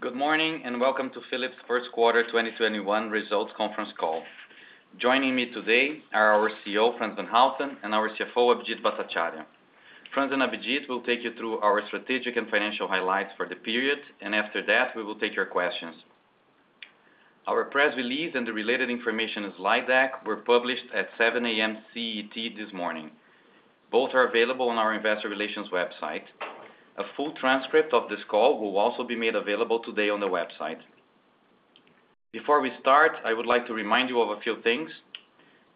Good morning. Welcome to Philips' first quarter 2021 results conference call. Joining me today are our CEO, Frans van Houten, and our CFO, Abhijit Bhattacharya. Frans and Abhijit will take you through our strategic and financial highlights for the period. After that, we will take your questions. Our press release and the related information slide deck were published at 7:00 A.M. CET this morning. Both are available on our investor relations website. A full transcript of this call will also be made available today on the website. Before we start, I would like to remind you of a few things.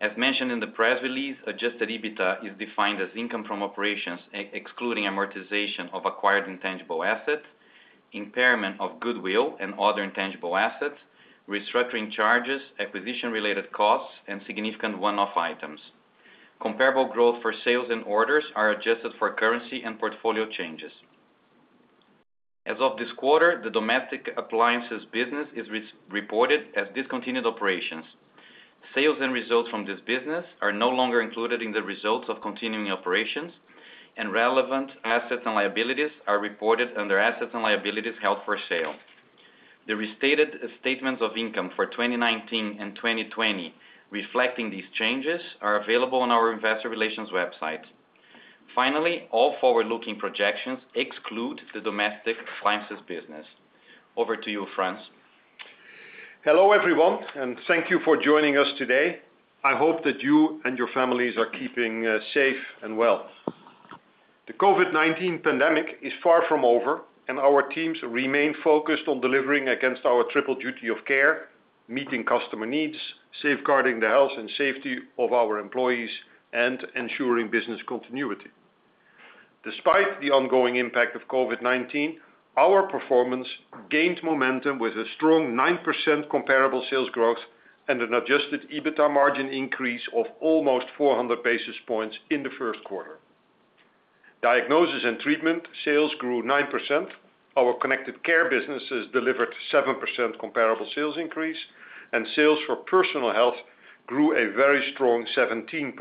As mentioned in the press release, adjusted EBITA is defined as income from operations, excluding amortization of acquired intangible assets, impairment of goodwill and other intangible assets, restructuring charges, acquisition related costs, and significant one-off items. Comparable growth for sales and orders are adjusted for currency and portfolio changes. As of this quarter, the Domestic Appliances business is reported as discontinued operations. Sales and results from this business are no longer included in the results of continuing operations, and relevant assets and liabilities are reported under assets and liabilities held for sale. The restated statements of income for 2019 and 2020 reflecting these changes are available on our investor relations website. Finally, all forward-looking projections exclude the Domestic Appliances business. Over to you, Frans. Hello, everyone, and thank you for joining us today. I hope that you and your families are keeping safe and well. The COVID-19 pandemic is far from over, and our teams remain focused on delivering against our triple duty of care, meeting customer needs, safeguarding the health and safety of our employees, and ensuring business continuity. Despite the ongoing impact of COVID-19, our performance gained momentum with a strong 9% comparable sales growth and an adjusted EBITDA margin increase of almost 400 basis points in the first quarter. Diagnosis & Treatment sales grew 9%. Our Connected Care businesses delivered 7% comparable sales increase, and sales for Personal Health grew a very strong 17%.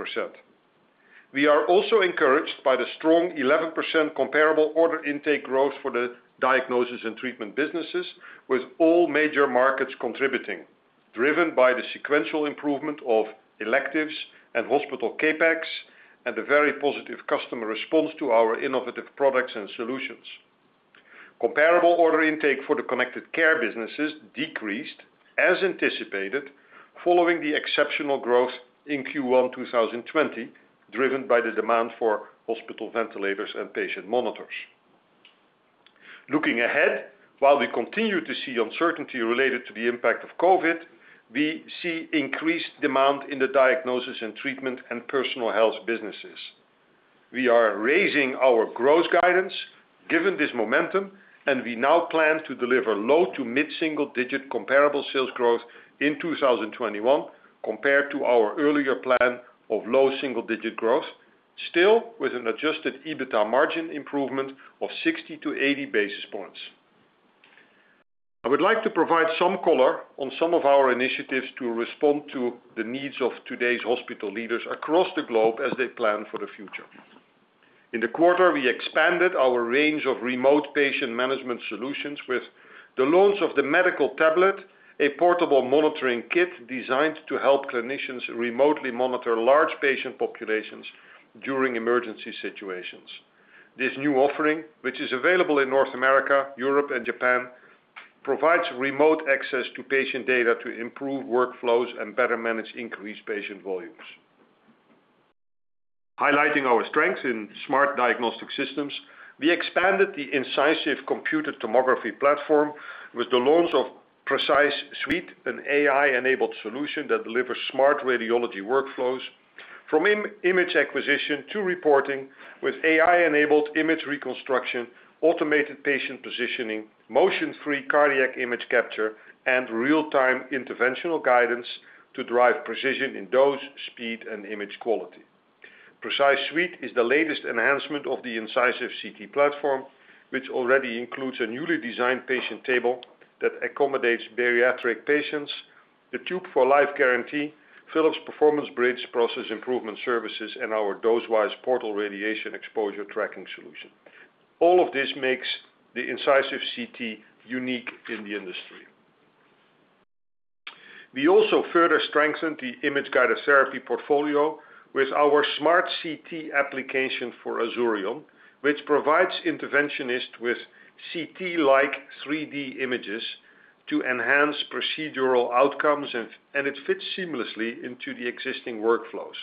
We are also encouraged by the strong 11% comparable order intake growth for the Diagnosis & Treatment businesses, with all major markets contributing, driven by the sequential improvement of electives and hospital CapEx, and the very positive customer response to our innovative products and solutions. Comparable order intake for the Connected Care businesses decreased as anticipated following the exceptional growth in Q1 2020, driven by the demand for hospital ventilators and patient monitors. Looking ahead, while we continue to see uncertainty related to the impact of COVID, we see increased demand in the Diagnosis & Treatment and Personal Health businesses. We are raising our growth guidance given this momentum, we now plan to deliver low to mid-single digit comparable sales growth in 2021 compared to our earlier plan of low single-digit growth. Still, with an adjusted EBITDA margin improvement of 60-80 basis points. I would like to provide some color on some of our initiatives to respond to the needs of today's hospital leaders across the globe as they plan for the future. In the quarter, we expanded our range of remote patient management solutions with the launch of the Medical Tablet, a portable monitoring kit designed to help clinicians remotely monitor large patient populations during emergency situations. This new offering, which is available in North America, Europe, and Japan, provides remote access to patient data to improve workflows and better manage increased patient volumes. Highlighting our strengths in smart diagnostic systems, we expanded the Incisive computed tomography platform with the launch of Precise Suite, an AI-enabled solution that delivers smart radiology workflows from image acquisition to reporting with AI-enabled image reconstruction, automated patient positioning, motion-free cardiac image capture, and real-time interventional guidance to drive precision in dose, speed, and image quality. Precise Suite is the latest enhancement of the Incisive CT platform, which already includes a newly designed patient table that accommodates bariatric patients, the Tube for Life guarantee, Philips PerformanceBridge process improvement services, and our DoseWise Portal radiation exposure tracking solution. All of this makes the Incisive CT unique in the industry. We also further strengthened the Image-Guided Therapy portfolio with our smart CT application for Azurion, which provides interventionists with CT-like 3D images to enhance procedural outcomes, and it fits seamlessly into the existing workflows.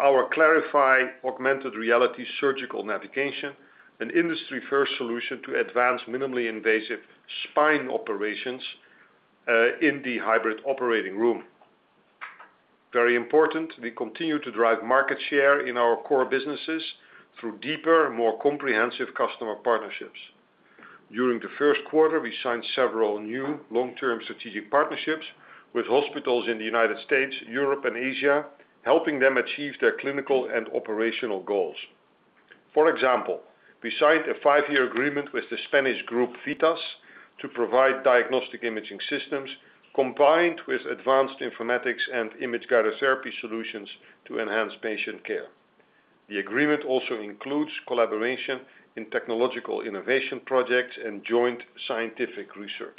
Our ClarifEye augmented reality surgical navigation, an industry-first solution to advance minimally invasive spine operations in the hybrid operating room. Very important, we continue to drive market share in our core businesses through deeper, more comprehensive customer partnerships. During the first quarter, we signed several new long-term strategic partnerships with hospitals in the U.S., Europe, and Asia, helping them achieve their clinical and operational goals. For example, we signed a five-year agreement with the Spanish group Vithas to provide diagnostic imaging systems combined with advanced informatics and image-guided therapy solutions to enhance patient care. The agreement also includes collaboration in technological innovation projects and joint scientific research.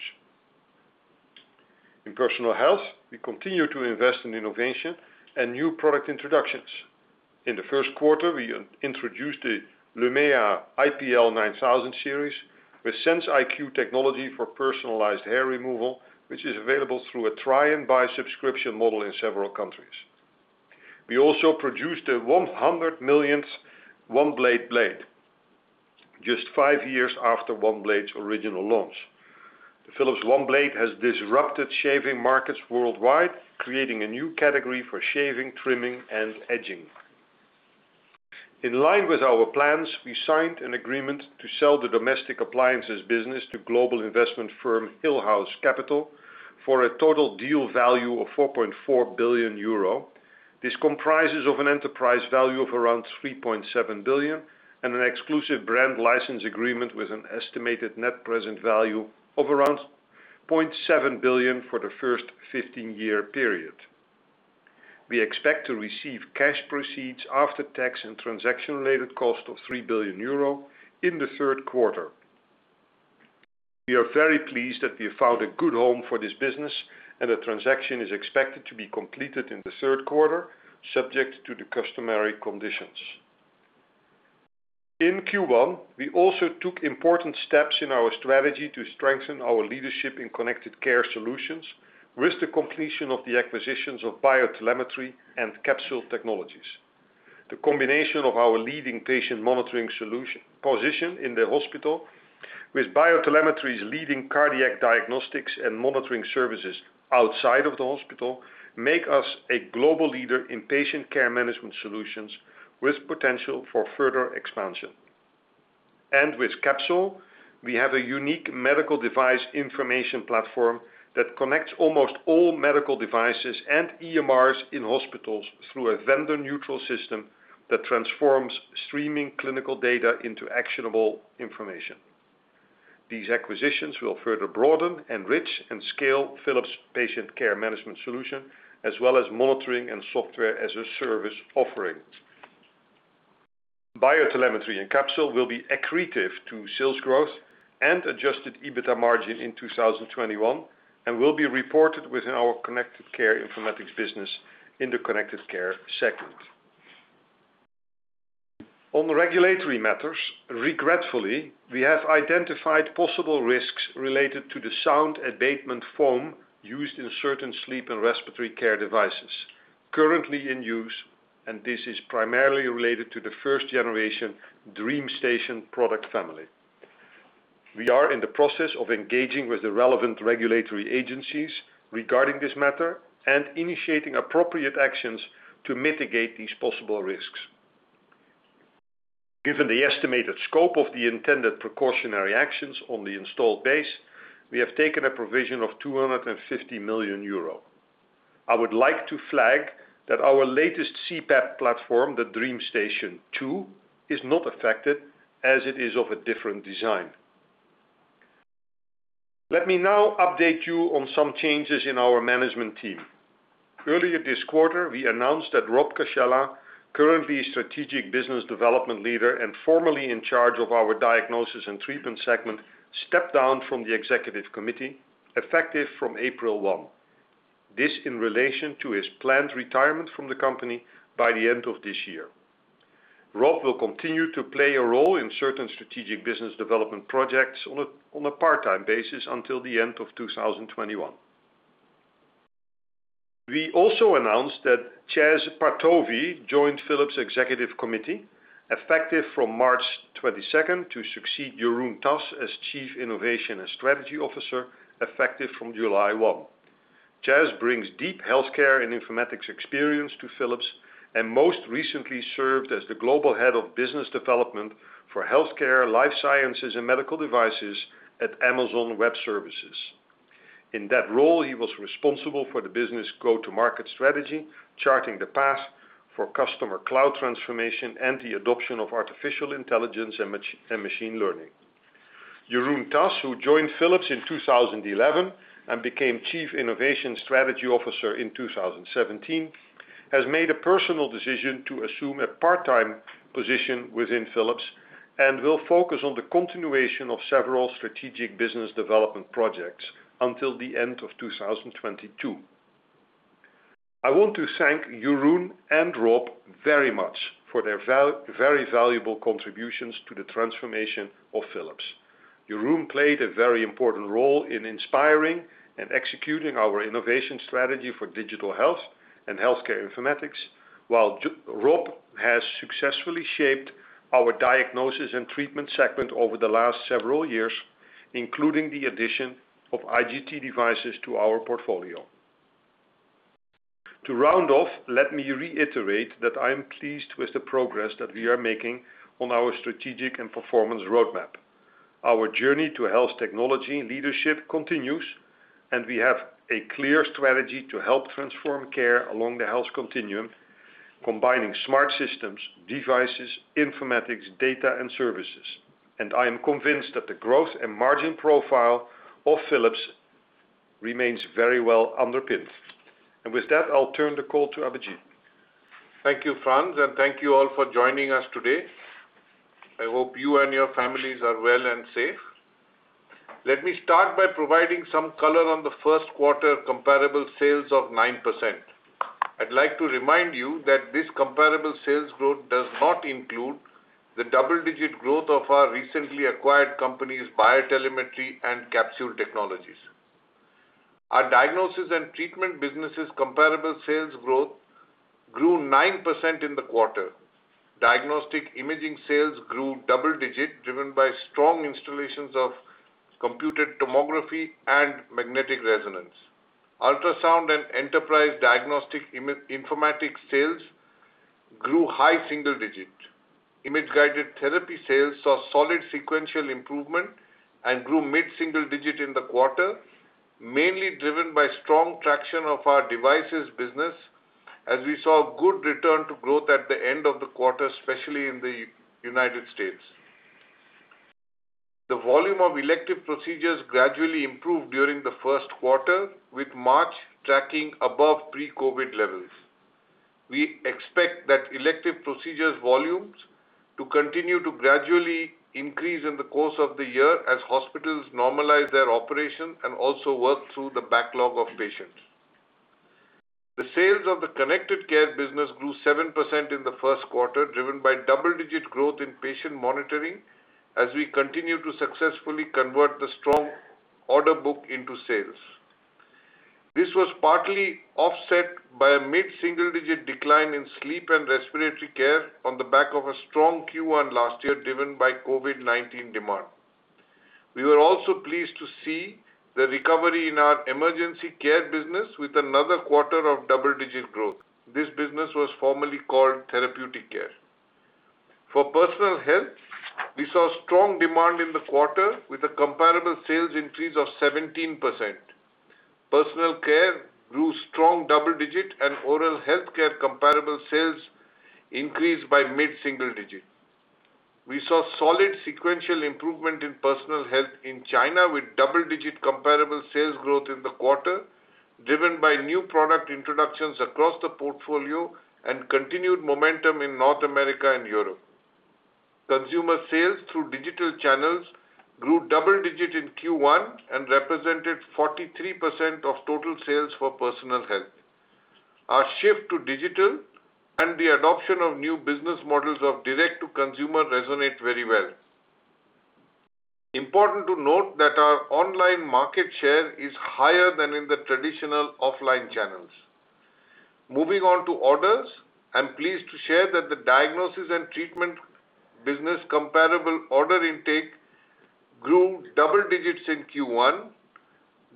In Personal Health, we continue to invest in innovation and new product introductions. In the first quarter, we introduced the Lumea IPL 9000 series with SenseIQ technology for personalized hair removal, which is available through a try-and-buy subscription model in several countries. We also produced the 100 millionth OneBlade blade, just five years after OneBlade's original launch. The Philips OneBlade has disrupted shaving markets worldwide, creating a new category for shaving, trimming, and edging. In line with our plans, we signed an agreement to sell the Domestic Appliances business to global investment firm Hillhouse Capital for a total deal value of 4.4 billion euro. This comprises of an enterprise value of around 3.7 billion and an exclusive brand license agreement with an estimated net present value of around EUR 0.7 billion for the first 15-year period. We expect to receive cash proceeds after tax and transaction-related cost of 3 billion euro in the third quarter. We are very pleased that we have found a good home for this business. The transaction is expected to be completed in the third quarter, subject to the customary conditions. In Q1, we also took important steps in our strategy to strengthen our leadership in Connected Care solutions with the completion of the acquisitions of BioTelemetry and Capsule Technologies. The combination of our leading patient monitoring position in the hospital with BioTelemetry's leading cardiac diagnostics and monitoring services outside of the hospital make us a global leader in patient care management solutions with potential for further expansion. With Capsule, we have a unique medical device information platform that connects almost all medical devices and EMRs in hospitals through a vendor-neutral system that transforms streaming clinical data into actionable information. These acquisitions will further broaden, enrich, and scale Philips patient care management solution as well as monitoring and software-as-a-service offering. BioTelemetry and Capsule will be accretive to sales growth and adjusted EBITDA margin in 2021 and will be reported within our Connected Care Informatics business in the Connected Care segment. On the regulatory matters, regretfully, we have identified possible risks related to the sound abatement foam used in certain sleep and respiratory care devices. Currently in use, and this is primarily related to the first-generation DreamStation product family. We are in the process of engaging with the relevant regulatory agencies regarding this matter and initiating appropriate actions to mitigate these possible risks. Given the estimated scope of the intended precautionary actions on the installed base, we have taken a provision of €250 million. I would like to flag that our latest CPAP platform, the DreamStation 2, is not affected as it is of a different design. Let me now update you on some changes in our management team. Earlier this quarter, we announced that Rob Cascella, currently strategic business development leader and formerly in charge of our Diagnosis & Treatment segment, stepped down from the Executive Committee effective from April 1st. This in relation to his planned retirement from the company by the end of this year. Rob will continue to play a role in certain strategic business development projects on a part-time basis until the end of 2021. We also announced that Shez Partovi joined Philips Executive Committee effective from March 22nd to succeed Jeroen Tas as Chief Innovation & Strategy Officer effective from July 1st. Shez brings deep healthcare and informatics experience to Philips and most recently served as the global head of business development for healthcare, life sciences, and medical devices at Amazon Web Services. In that role, he was responsible for the business go-to-market strategy, charting the path for customer cloud transformation, and the adoption of artificial intelligence and machine learning. Jeroen Tas, who joined Philips in 2011 and became Chief Innovation & Strategy Officer in 2017, has made a personal decision to assume a part-time position within Philips and will focus on the continuation of several strategic business development projects until the end of 2022. I want to thank Jeroen and Rob very much for their very valuable contributions to the transformation of Philips. Jeroen played a very important role in inspiring and executing our innovation strategy for digital health and healthcare informatics, while Rob has successfully shaped our Diagnosis & Treatment segment over the last several years, including the addition of IGT devices to our portfolio. To round off, let me reiterate that I am pleased with the progress that we are making on our strategic and performance roadmap. Our journey to health technology leadership continues, and we have a clear strategy to help transform care along the health continuum, combining smart systems, devices, informatics, data and services. I am convinced that the growth and margin profile of Philips remains very well underpinned. With that, I'll turn the call to Abhijit. Thank you, Frans, and thank you all for joining us today. I hope you and your families are well and safe. Let me start by providing some color on the first quarter comparable sales of 9%. I'd like to remind you that this comparable sales growth does not include the double-digit growth of our recently acquired companies, BioTelemetry and Capsule Technologies. Our Diagnosis & Treatment businesses comparable sales growth grew 9% in the quarter. Diagnostic imaging sales grew double digit, driven by strong installations of computed tomography and magnetic resonance. Ultrasound and enterprise diagnostic informatics sales grew high single digit. Image-Guided Therapy sales saw solid sequential improvement and grew mid-single digit in the quarter, mainly driven by strong traction of our devices business, as we saw good return to growth at the end of the quarter, especially in the U.S. The volume of elective procedures gradually improved during the first quarter, with March tracking above pre-COVID levels. We expect that elective procedures volumes to continue to gradually increase in the course of the year as hospitals normalize their operation and also work through the backlog of patients. The sales of the Connected Care business grew 7% in the first quarter, driven by double-digit growth in patient monitoring as we continue to successfully convert the strong order book into sales. This was partly offset by a mid-single-digit decline in sleep and respiratory care on the back of a strong Q1 last year, driven by COVID-19 demand. We were also pleased to see the recovery in our emergency care business with another quarter of double-digit growth. This business was formerly called Therapeutic Care. For Personal Health, we saw strong demand in the quarter with a comparable sales increase of 17%. Personal Health grew strong double digit and oral healthcare comparable sales increased by mid-single digit. We saw solid sequential improvement in Personal Health in China, with double-digit comparable sales growth in the quarter, driven by new product introductions across the portfolio and continued momentum in North America and Europe. Consumer sales through digital channels grew double digit in Q1 and represented 43% of total sales for Personal Health. Our shift to digital and the adoption of new business models of direct to consumer resonate very well. Important to note that our online market share is higher than in the traditional offline channels. Moving on to orders. I'm pleased to share that the Diagnosis & Treatment business comparable order intake grew double digits in Q1,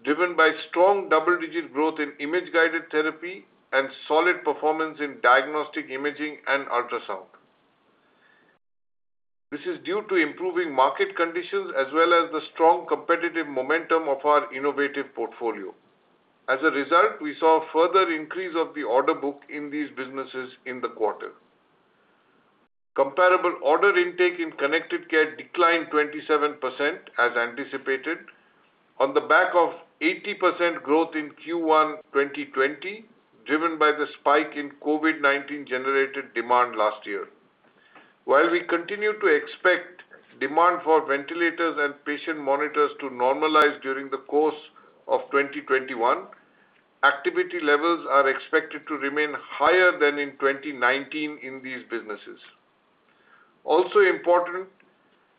driven by strong double-digit growth in Image-Guided Therapy and solid performance in diagnostic imaging and ultrasound. This is due to improving market conditions as well as the strong competitive momentum of our innovative portfolio. As a result, we saw a further increase of the order book in these businesses in the quarter. Comparable order intake in Connected Care declined 27%, as anticipated, on the back of 80% growth in Q1 2020, driven by the spike in COVID-19-generated demand last year. While we continue to expect demand for ventilators and patient monitors to normalize during the course of 2021, activity levels are expected to remain higher than in 2019 in these businesses. Also important,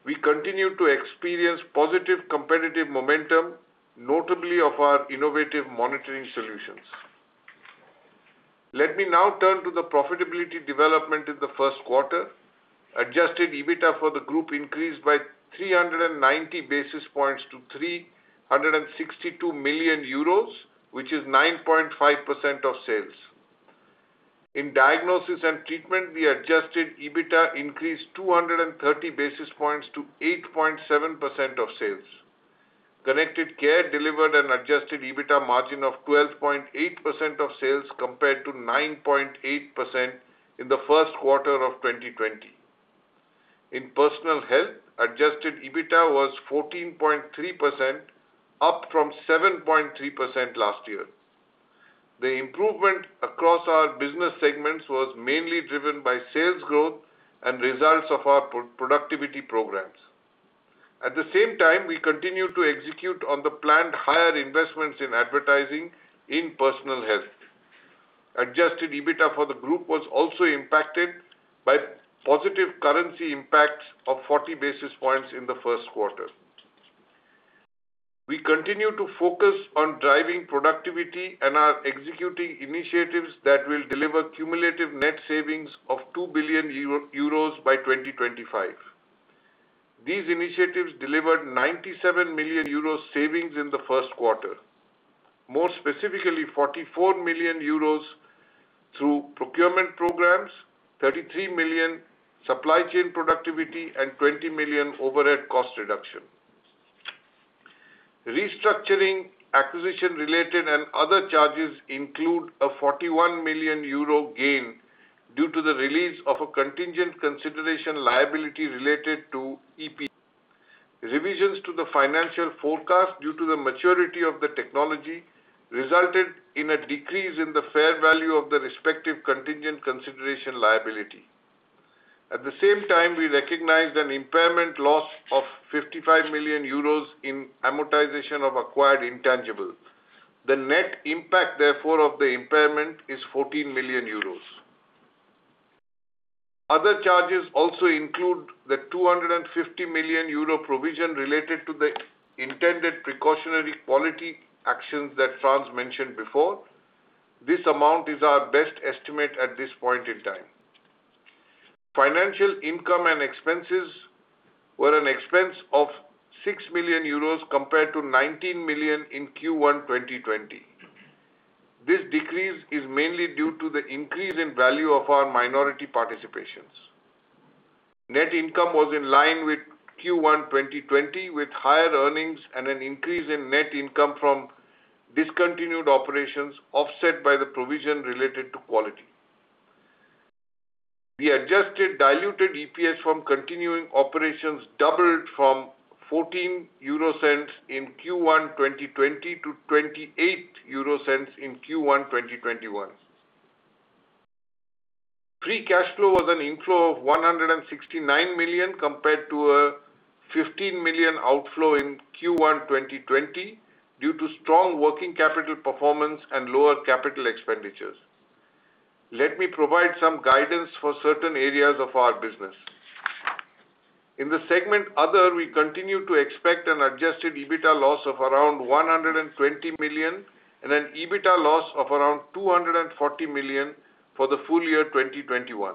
we continue to experience positive competitive momentum, notably of our innovative monitoring solutions. Let me now turn to the profitability development in the first quarter. Adjusted EBITDA for the group increased by 390 basis points to 362 million euros, which is 9.5% of sales. In Diagnosis & Treatment, the adjusted EBITDA increased 230 basis points to 8.7% of sales. Connected Care delivered an adjusted EBITDA margin of 12.8% of sales, compared to 9.8% in the first quarter of 2020. In Personal Health, adjusted EBITDA was 14.3%, up from 7.3% last year. The improvement across our business segments was mainly driven by sales growth and results of our productivity programs. At the same time, we continue to execute on the planned higher investments in advertising in Personal Health. Adjusted EBITDA for the group was also impacted by positive currency impacts of 40 basis points in the first quarter. We continue to focus on driving productivity and are executing initiatives that will deliver cumulative net savings of 2 billion euros by 2025. These initiatives delivered 97 million euros savings in the first quarter. More specifically, 44 million euros through procurement programs, 33 million supply chain productivity and 20 million overhead cost reduction. Restructuring acquisition related and other charges include a 41 million euro gain due to the release of a contingent consideration liability related to EPD. Revisions to the financial forecast due to the maturity of the technology resulted in a decrease in the fair value of the respective contingent consideration liability. At the same time, we recognized an impairment loss of 55 million euros in amortization of acquired intangibles. The net impact, therefore, of the impairment is 14 million euros. Other charges also include the 250 million euro provision related to the intended precautionary quality actions that Frans mentioned before. This amount is our best estimate at this point in time. Financial income and expenses were an expense of 6 million euros compared to 19 million in Q1 2020. This decrease is mainly due to the increase in value of our minority participations. Net income was in line with Q1 2020, with higher earnings and an increase in net income from discontinued operations, offset by the provision related to quality. The adjusted diluted EPS from continuing operations doubled from 0.14 in Q1 2020 to 0.28 in Q1 2021. Free cash flow was an inflow of 169 million compared to a 15 million outflow in Q1 2020 due to strong working capital performance and lower capital expenditures. Let me provide some guidance for certain areas of our business. In the segment Other, we continue to expect an adjusted EBITA loss of around 120 million and an EBITA loss of around 240 million for the full year 2021.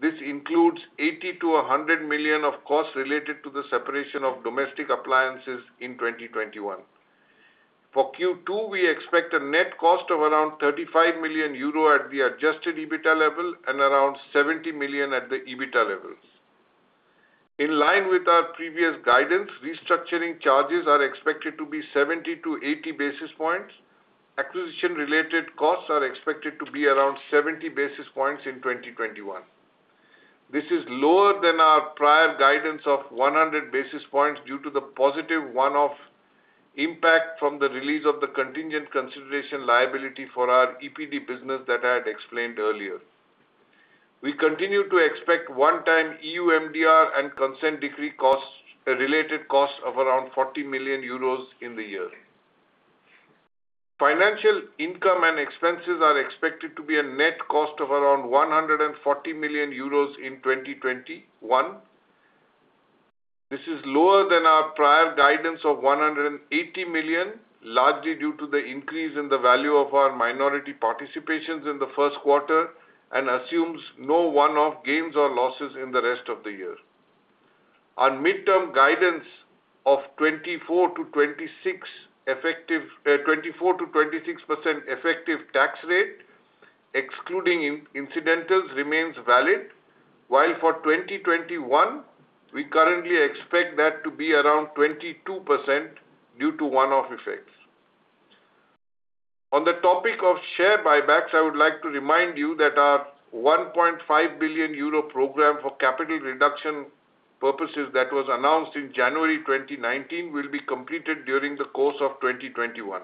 This includes 80 million-100 million of costs related to the separation of Domestic Appliances in 2021. For Q2, we expect a net cost of around EUR 35 million at the Adjusted EBITA level and around EUR 70 million at the EBITA level. In line with our previous guidance, restructuring charges are expected to be 70-80 basis points. Acquisition related costs are expected to be around 70 basis points in 2021. This is lower than our prior guidance of 100 basis points due to the positive one-off impact from the release of the contingent consideration liability for our EPD business that I had explained earlier. We continue to expect one-time EU MDR and consent decree costs, a related cost of around EUR 40 million in the year. Financial income and expenses are expected to be a net cost of around 140 million euros in 2021. This is lower than our prior guidance of 180 million, largely due to the increase in the value of our minority participations in the first quarter and assumes no one-off gains or losses in the rest of the year. Our midterm guidance of 24%-26% effective tax rate, excluding incidentals, remains valid, while for 2021, we currently expect that to be around 22% due to one-off effects. On the topic of share buybacks, I would like to remind you that our 1.5 billion euro program for capital reduction purposes that was announced in January 2019 will be completed during the course of 2021.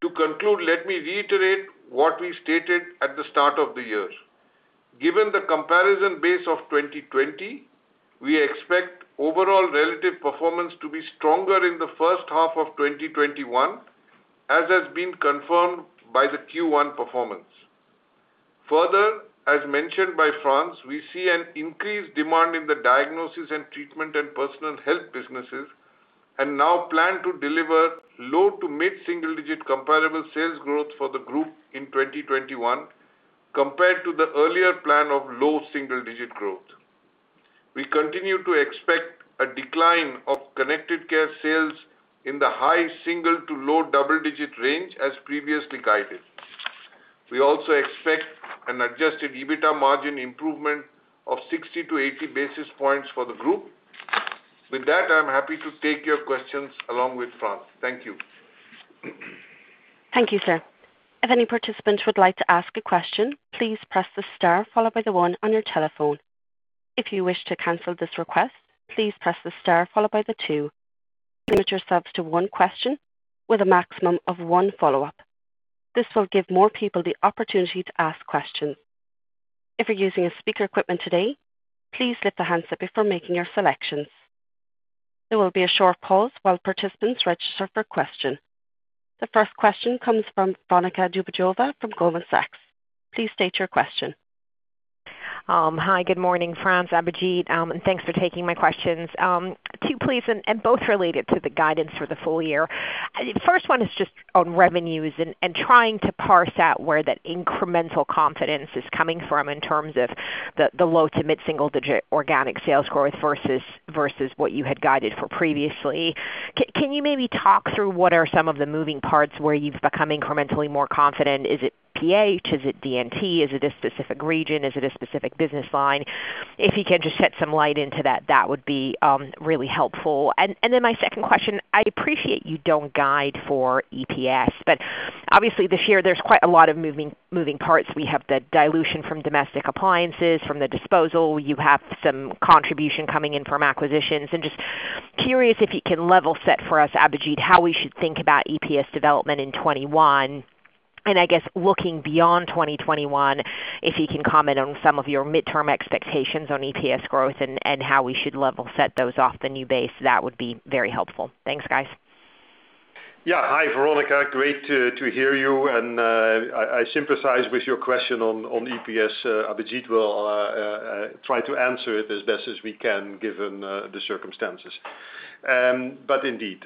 To conclude, let me reiterate what we stated at the start of the year. Given the comparison base of 2020, we expect overall relative performance to be stronger in the first half of 2021, as has been confirmed by the Q1 performance. Further, as mentioned by Frans, we see an increased demand in the Diagnosis & Treatment and Personal Health businesses. Now plan to deliver low to mid-single-digit comparable sales growth for the group in 2021 compared to the earlier plan of low single-digit growth. We continue to expect a decline of Connected Care sales in the high single-digit to low double-digit range as previously guided. We also expect an adjusted EBITA margin improvement of 60-80 basis points for the group. With that, I'm happy to take your questions along with Frans. Thank you. Thank you, sir. The first question comes from Veronika Dubajova from Goldman Sachs. Please state your question. Hi, good morning, Frans, Abhijit Bhattacharya, and thanks for taking my questions. Two, please, and both related to the guidance for the full year. First one is just on revenues and trying to parse out where that incremental confidence is coming from in terms of the low to mid-single digit organic sales growth versus what you had guided for previously. Can you maybe talk through what are some of the moving parts where you've become incrementally more confident? Is it PH? Is it D&T? Is it a specific region? Is it a specific business line? If you can just shed some light into that would be really helpful. My second question, I appreciate you don't guide for EPS. Obviously, this year there's quite a lot of moving parts. We have the dilution from Domestic Appliances, from the disposal. You have some contribution coming in from acquisitions. Just curious if you can level set for us, Abhijit, how we should think about EPS development in 2021. I guess looking beyond 2021, if you can comment on some of your midterm expectations on EPS growth and how we should level set those off the new base, that would be very helpful. Thanks, guys. Yeah. Hi, Veronika. Great to hear you. I sympathize with your question on EPS. Abhijit will try to answer it as best as we can, given the circumstances. Indeed.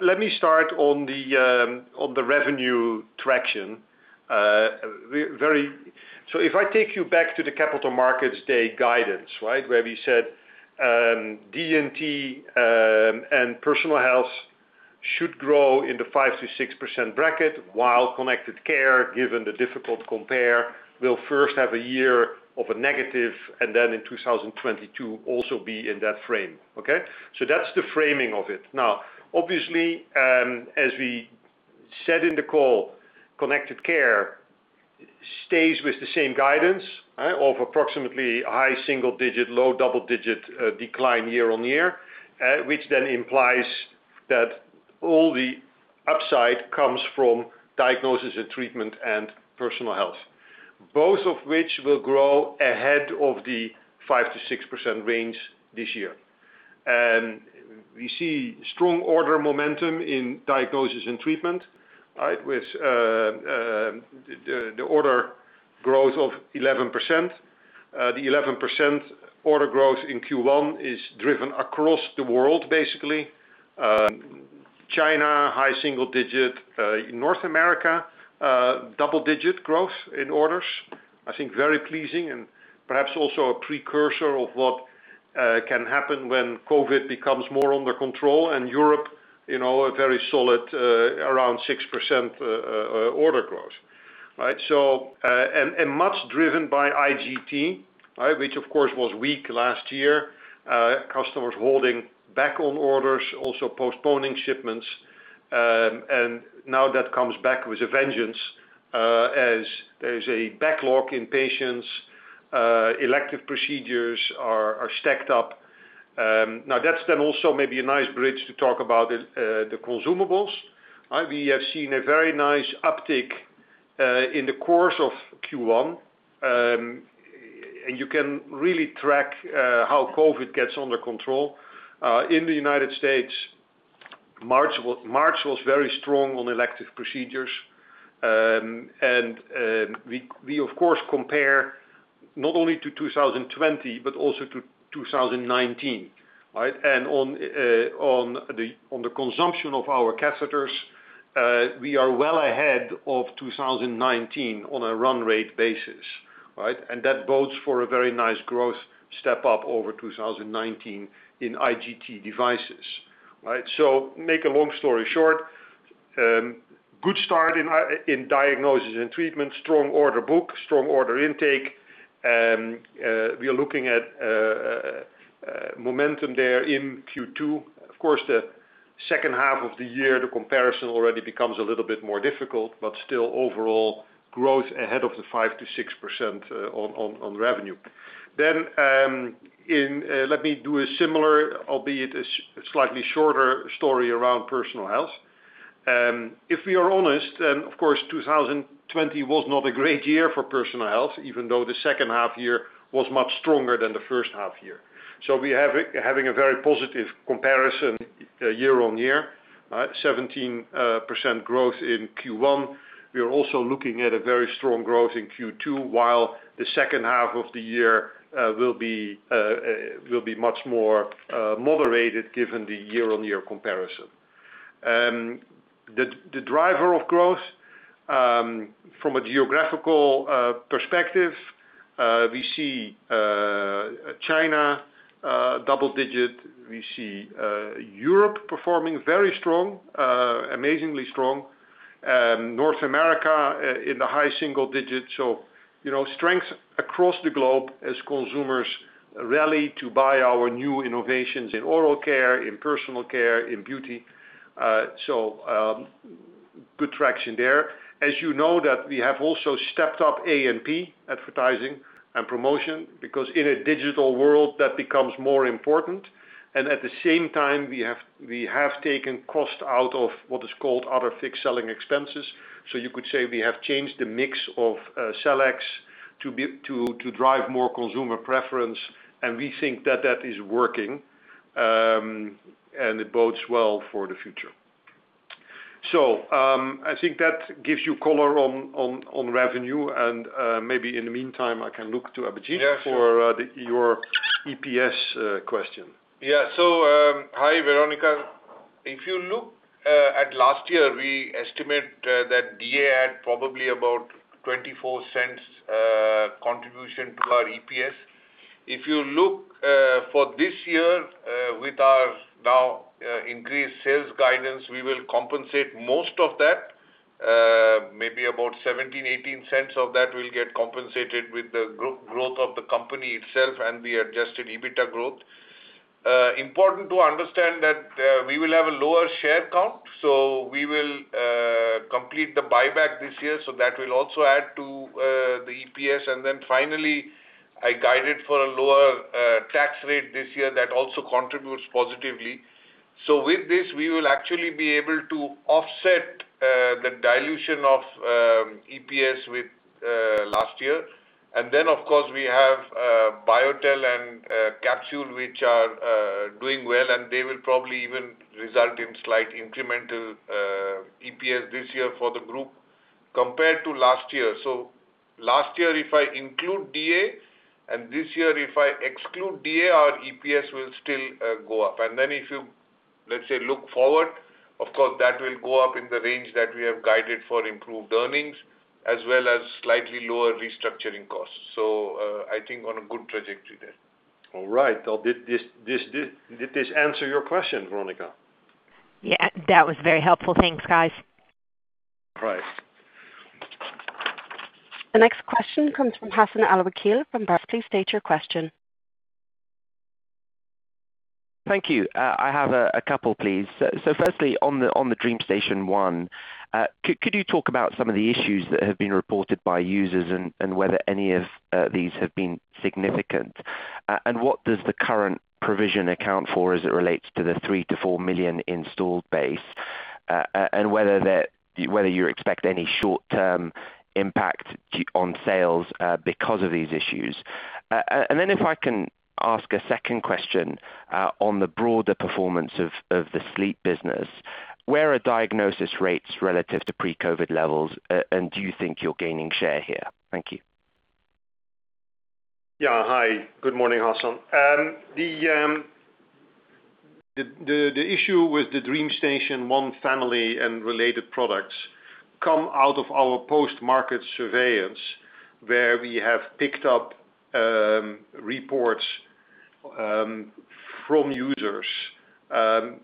Let me start on the revenue traction. If I take you back to the Capital Markets Day guidance where we said, D&T and Personal Health should grow in the 5%-6% bracket while Connected Care, given the difficult compare, will first have a year of a negative and then in 2022 also be in that frame. Okay? That's the framing of it. Obviously, as we said in the call, Connected Care stays with the same guidance of approximately high single digit, low double digit decline year-on-year. Which then implies that all the upside comes from Diagnosis & Treatment and Personal Health. Both of which will grow ahead of the 5%-6% range this year. We see strong order momentum in Diagnosis & Treatment with the order growth of 11%. The 11% order growth in Q1 is driven across the world, basically. China, high single-digit. In North America, double-digit growth in orders. I think very pleasing and perhaps also a precursor of what can happen when COVID-19 becomes more under control. Europe, a very solid, around 6% order growth. Much driven by IGT, which of course was weak last year. Customers holding back on orders, also postponing shipments. Now that comes back with a vengeance, as there is a backlog in patients, elective procedures are stacked up. That's then also maybe a nice bridge to talk about the consumables. We have seen a very nice uptick, in the course of Q1. You can really track how COVID gets under control. In the U.S., March was very strong on elective procedures. We of course compare not only to 2020, but also to 2019. On the consumption of our catheters, we are well ahead of 2019 on a run rate basis. That bodes for a very nice growth step up over 2019 in IGT devices. Make a long story short, good start in Diagnosis & Treatment. Strong order book, strong order intake. We are looking at momentum there in Q2. Of course, the second half of the year, the comparison already becomes a little bit more difficult, but still overall growth ahead of the 5%-6% on revenue. Let me do a similar, albeit a slightly shorter story around Personal Health. If we are honest, of course, 2020 was not a great year for Personal Health, even though the second half year was much stronger than the first half year. We are having a very positive comparison year-on-year. 17% growth in Q1. We are also looking at a very strong growth in Q2 while the second half of the year, will be much more moderated given the year-on-year comparison. The driver of growth, from a geographical perspective, we see China double-digit. We see Europe performing very strong, amazingly strong. North America in the high single-digits. Strength across the globe as consumers rally to buy our new innovations in oral care, in personal care, in beauty. Good traction there. As you know that we have also stepped up A&P, advertising and promotion, because in a digital world, that becomes more important. At the same time, we have taken cost out of what is called other fixed selling expenses. You could say we have changed the mix of sell-ex to drive more consumer preference, and we think that that is working. It bodes well for the future. I think that gives you color on revenue and, maybe in the meantime, I can look to Abhijit. Yeah, sure. For your EPS question. Yeah. Hi, Veronika. If you look at last year, we estimate that DA had probably about 0.24 contribution to our EPS. If you look for this year, with our now increased sales guidance, we will compensate most of that. Maybe about 0.17, 0.18 of that will get compensated with the growth of the company itself and the adjusted EBITA growth. Important to understand that we will have a lower share count, we will complete the buyback this year, so that will also add to the EPS. Finally, I guided for a lower tax rate this year, that also contributes positively. With this, we will actually be able to offset the dilution of EPS with last year. Of course, we have Biotel and Capsule, which are doing well, and they will probably even result in slight incremental EPS this year for the group compared to last year. Last year, if I include DA, and this year if I exclude DA, our EPS will still go up. If you, let's say, look forward, of course, that will go up in the range that we have guided for improved earnings, as well as slightly lower restructuring costs. I think on a good trajectory there. All right. Did this answer your question, Veronika? Yeah. That was very helpful. Thanks, guys. All right. The next question comes from Hassan Al-Wakeel from Barclays. Please state your question. Thank you. I have a couple, please. firstly, on the DreamStation 1, could you talk about some of the issues that have been reported by users, and whether any of these have been significant? What does the current provision account for as it relates to the 3 million-4 million installed base, and whether you expect any short-term impact on sales because of these issues. If I can ask a second question, on the broader performance of the sleep business. Where are diagnosis rates relative to pre-COVID-19 levels, and do you think you're gaining share here? Thank you. Yeah. Hi, good morning, Hassan. The issue with the DreamStation 1 family and related products come out of our post-market surveillance, where we have picked up reports from users, that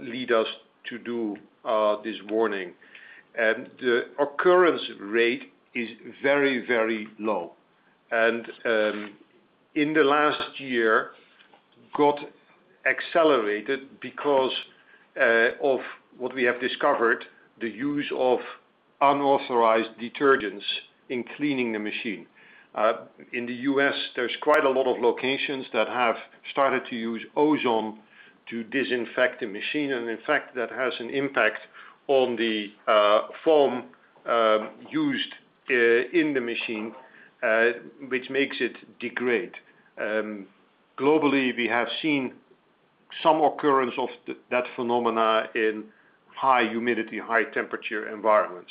lead us to do this warning. The occurrence rate is very, very low. In the last year, got accelerated because of what we have discovered, the use of unauthorized detergents in cleaning the machine. In the U.S., there's quite a lot of locations that have started to use ozone to disinfect the machine. In fact, that has an impact on the foam used in the machine, which makes it degrade. Globally, we have seen some occurrence of that phenomena in high humidity, high temperature environments.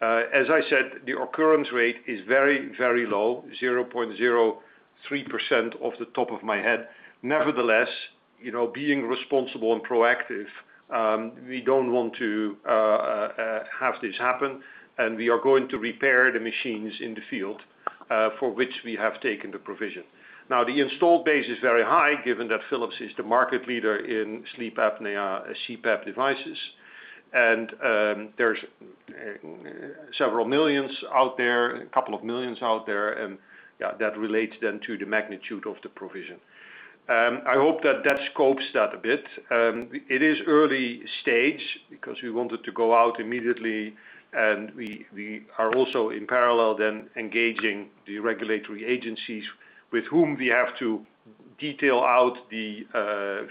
As I said, the occurrence rate is very, very low, 0.03% off the top of my head. Being responsible and proactive, we don't want to have this happen, and we are going to repair the machines in the field, for which we have taken the provision. The installed base is very high, given that Philips is the market leader in sleep apnea, CPAP devices. There's several millions out there, a couple of millions out there. Yeah, that relates to the magnitude of the provision. I hope that that scopes that a bit. It is early stage because we wanted to go out immediately, and we are also in parallel engaging the regulatory agencies with whom we have to detail out the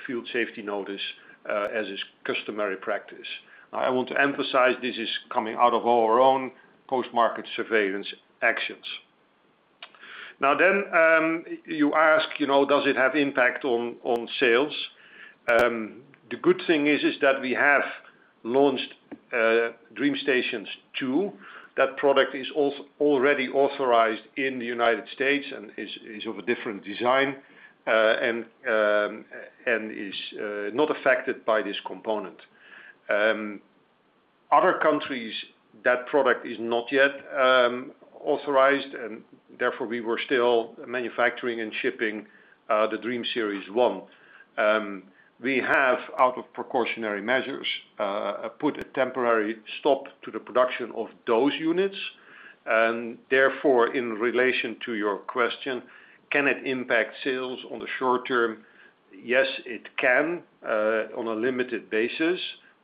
field safety notice, as is customary practice. I want to emphasize this is coming out of our own post-market surveillance actions. You ask, does it have impact on sales? The good thing is that we have launched DreamStation 2. That product is already authorized in the U.S. and is of a different design, and is not affected by this component. Other countries, that product is not yet authorized, therefore, we were still manufacturing and shipping the DreamStation 1. We have, out of precautionary measures, put a temporary stop to the production of those units. Therefore, in relation to your question, can it impact sales on the short term? Yes, it can, on a limited basis,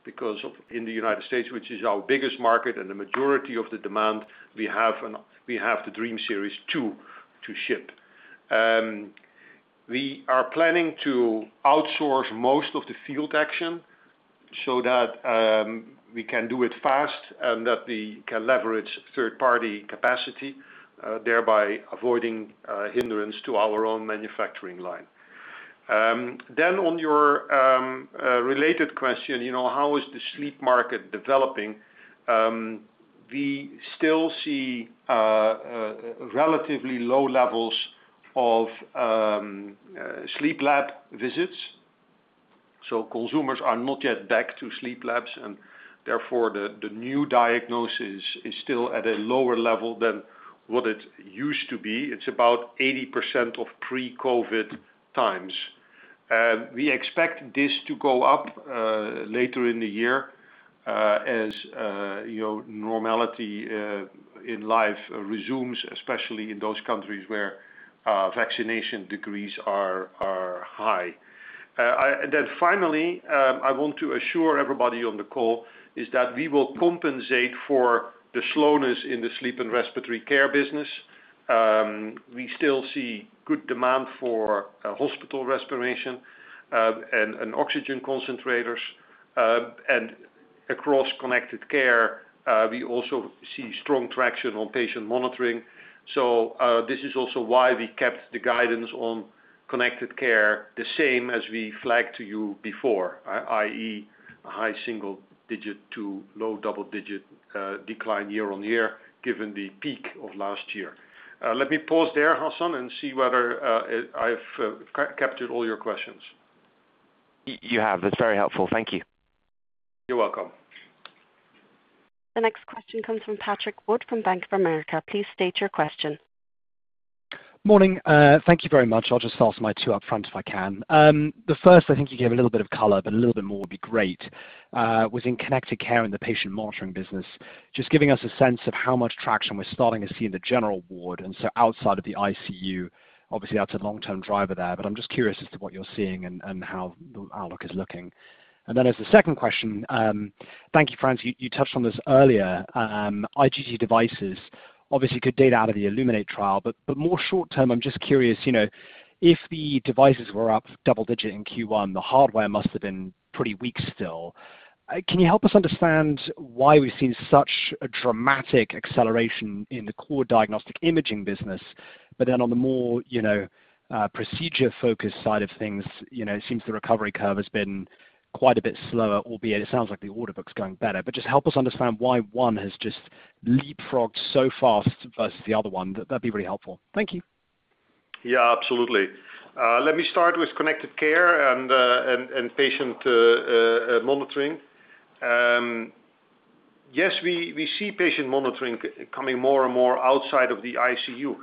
because in the U.S., which is our biggest market and the majority of the demand, we have the DreamStation 2 to ship. We are planning to outsource most of the field action so that we can do it fast and that we can leverage third-party capacity, thereby avoiding hindrance to our own manufacturing line. On your related question, how is the sleep market developing? We still see relatively low levels of sleep lab visits. Consumers are not yet back to sleep labs, and therefore, the new diagnosis is still at a lower level than what it used to be. It's about 80% of pre-COVID times. We expect this to go up later in the year as normality in life resumes, especially in those countries where vaccination degrees are high. Finally, I want to assure everybody on the call, is that we will compensate for the slowness in the sleep and respiratory care business. We still see good demand for hospital respiration and oxygen concentrators. Across Connected Care, we also see strong traction on patient monitoring. This is also why we kept the guidance on Connected Care the same as we flagged to you before, i.e., high single digit to low double digit decline year-over-year, given the peak of last year. Let me pause there, Hassan, and see whether I've captured all your questions. You have. That is very helpful. Thank you. You're welcome. The next question comes from Patrick Wood, from Bank of America. Please state your question. Morning. Thank you very much. I'll just ask my two upfront if I can. The first, I think you gave a little bit of color, but a little bit more would be great, was in Connected Care in the patient monitoring business. Just giving us a sense of how much traction we're starting to see in the general ward, and so outside of the ICU. Obviously, that's a long-term driver there, but I'm just curious as to what you're seeing and how the outlook is looking. As the second question, thank you, Frans, you touched on this earlier. IGT devices, obviously good data out of the ILLUMENATE trial, but more short-term, I'm just curious, if the devices were up double-digit in Q1, the hardware must have been pretty weak still. Can you help us understand why we've seen such a dramatic acceleration in the core diagnostic imaging business? On the more procedure-focused side of things, it seems the recovery curve has been quite a bit slower, albeit it sounds like the order book's going better. Just help us understand why one has just leapfrogged so fast versus the other one. That'd be really helpful. Thank you. Yeah, absolutely. Let me start with Connected Care and patient monitoring. Yes, we see patient monitoring coming more and more outside of the ICU.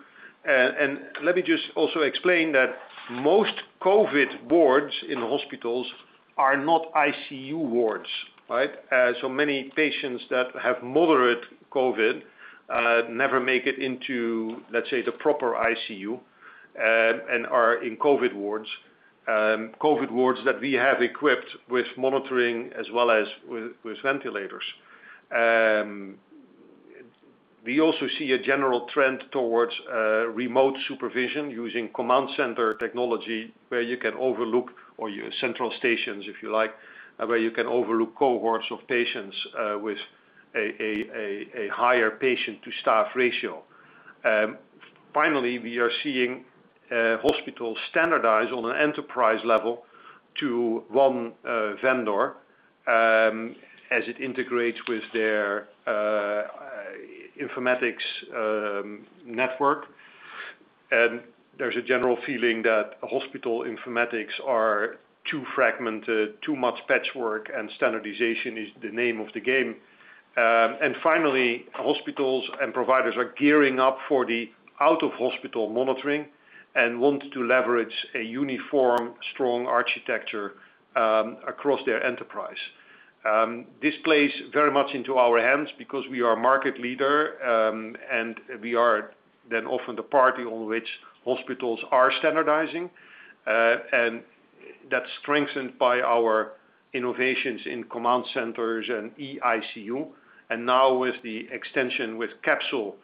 Let me just also explain that most COVID wards in hospitals are not ICU wards. Many patients that have moderate COVID, never make it into, let's say, the proper ICU, and are in COVID wards. COVID wards that we have equipped with monitoring as well as with ventilators. We also see a general trend towards remote supervision using command center technology where you can overlook, or your central stations if you like, where you can overlook cohorts of patients, with a higher patient to staff ratio. Finally, we are seeing hospitals standardize on an enterprise level to one vendor, as it integrates with their informatics network. There's a general feeling that hospital informatics are too fragmented, too much patchwork, and standardization is the name of the game. Finally, hospitals and providers are gearing up for the out-of-hospital monitoring and want to leverage a uniform, strong architecture across their enterprise. This plays very much into our hands because we are market leader, and we are then often the party on which hospitals are standardizing. That's strengthened by our innovations in command centers and eICU. Now with the extension with Capsule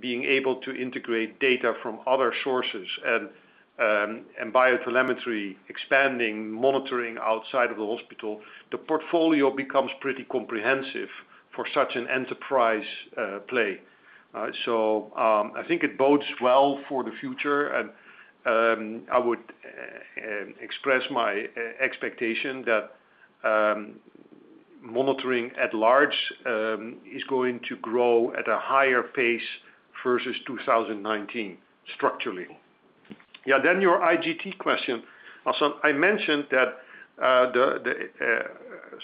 being able to integrate data from other sources and BioTelemetry expanding monitoring outside of the hospital, the portfolio becomes pretty comprehensive for such an enterprise play. I think it bodes well for the future and I would express my expectation that monitoring at large, is going to grow at a higher pace versus 2019 structurally. Your IGT question, Hassan.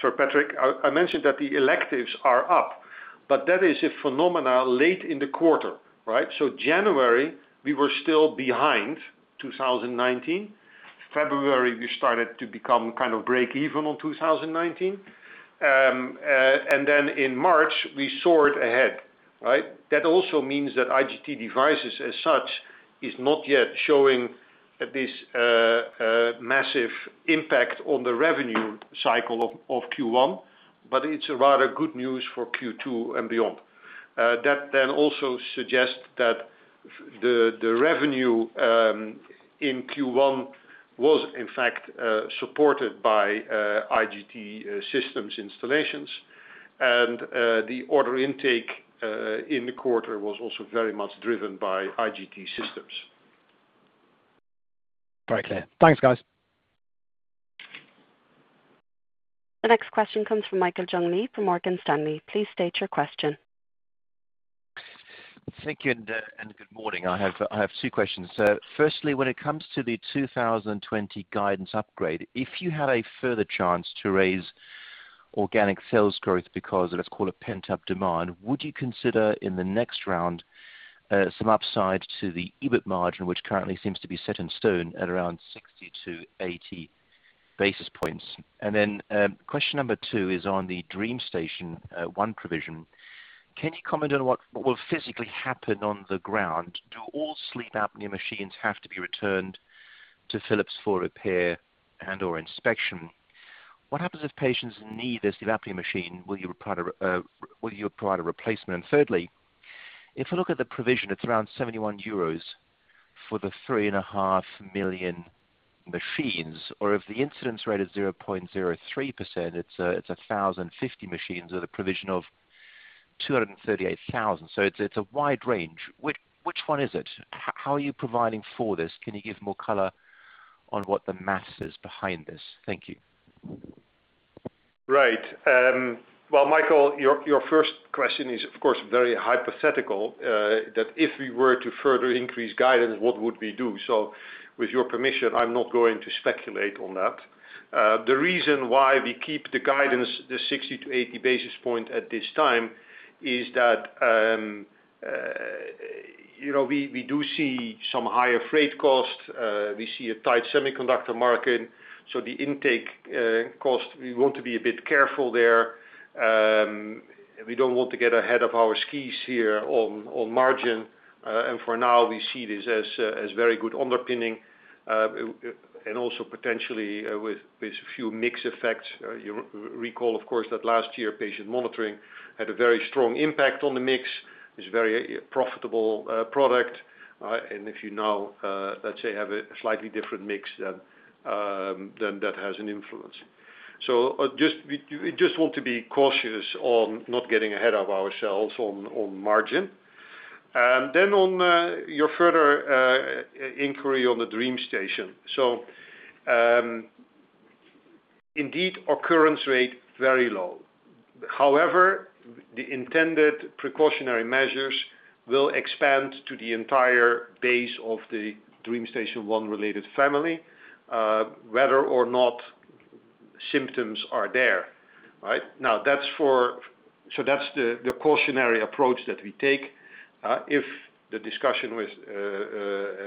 Sorry, Patrick. I mentioned that the electives are up, but that is a phenomena late in the quarter. Right? January, we were still behind 2019. February, we started to become break-even on 2019. Then in March, we soared ahead. Right? That also means that IGT devices as such, is not yet showing this massive impact on the revenue cycle of Q1, but it's a rather good news for Q2 and beyond. That then also suggests that the revenue in Q1 was in fact, supported by IGT systems installations. The order intake in the quarter was also very much driven by IGT systems. Very clear. Thanks, guys. The next question comes from Michael Jüngling from Morgan Stanley. Please state your question. Thank you, good morning. I have two questions. Firstly, when it comes to the 2020 guidance upgrade, if you had a further chance to raise organic sales growth because of, let's call it, pent-up demand? Would you consider in the next round some upside to the EBIT margin, which currently seems to be set in stone at around 60-80 basis points? Question number two is on the DreamStation 1 provision. Can you comment on what will physically happen on the ground? Do all sleep apnea machines have to be returned to Philips for repair and/or inspection? What happens if patients need a sleep apnea machine? Will you provide a replacement? Thirdly, if you look at the provision, it's around 71 euros for the 3.5 million machines, or if the incidence rate is 0.03%, it's 1,050 machines at a provision of 238,000. It's a wide range. Which one is it? How are you providing for this? Can you give more color on what the math is behind this? Thank you. Right. Well, Michael, your first question is, of course, very hypothetical, that if we were to further increase guidance, what would we do? With your permission, I'm not going to speculate on that. The reason why we keep the guidance to 60-80 basis point at this time is that we do see some higher freight costs. We see a tight semiconductor market. The intake cost, we want to be a bit careful there. We don't want to get ahead of our skis here on margin. For now, we see this as very good underpinning, and also potentially, with a few mix effects. You recall, of course, that last year, patient monitoring had a very strong impact on the mix. It's a very profitable product. If you now, let's say, have a slightly different mix, then that has an influence. We just want to be cautious on not getting ahead of ourselves on margin. On your further inquiry on the DreamStation. Indeed, occurrence rate, very low. However, the intended precautionary measures will expand to the entire base of the DreamStation 1 related family, whether or not symptoms are there. Right? That's the cautionary approach that we take. If the discussion with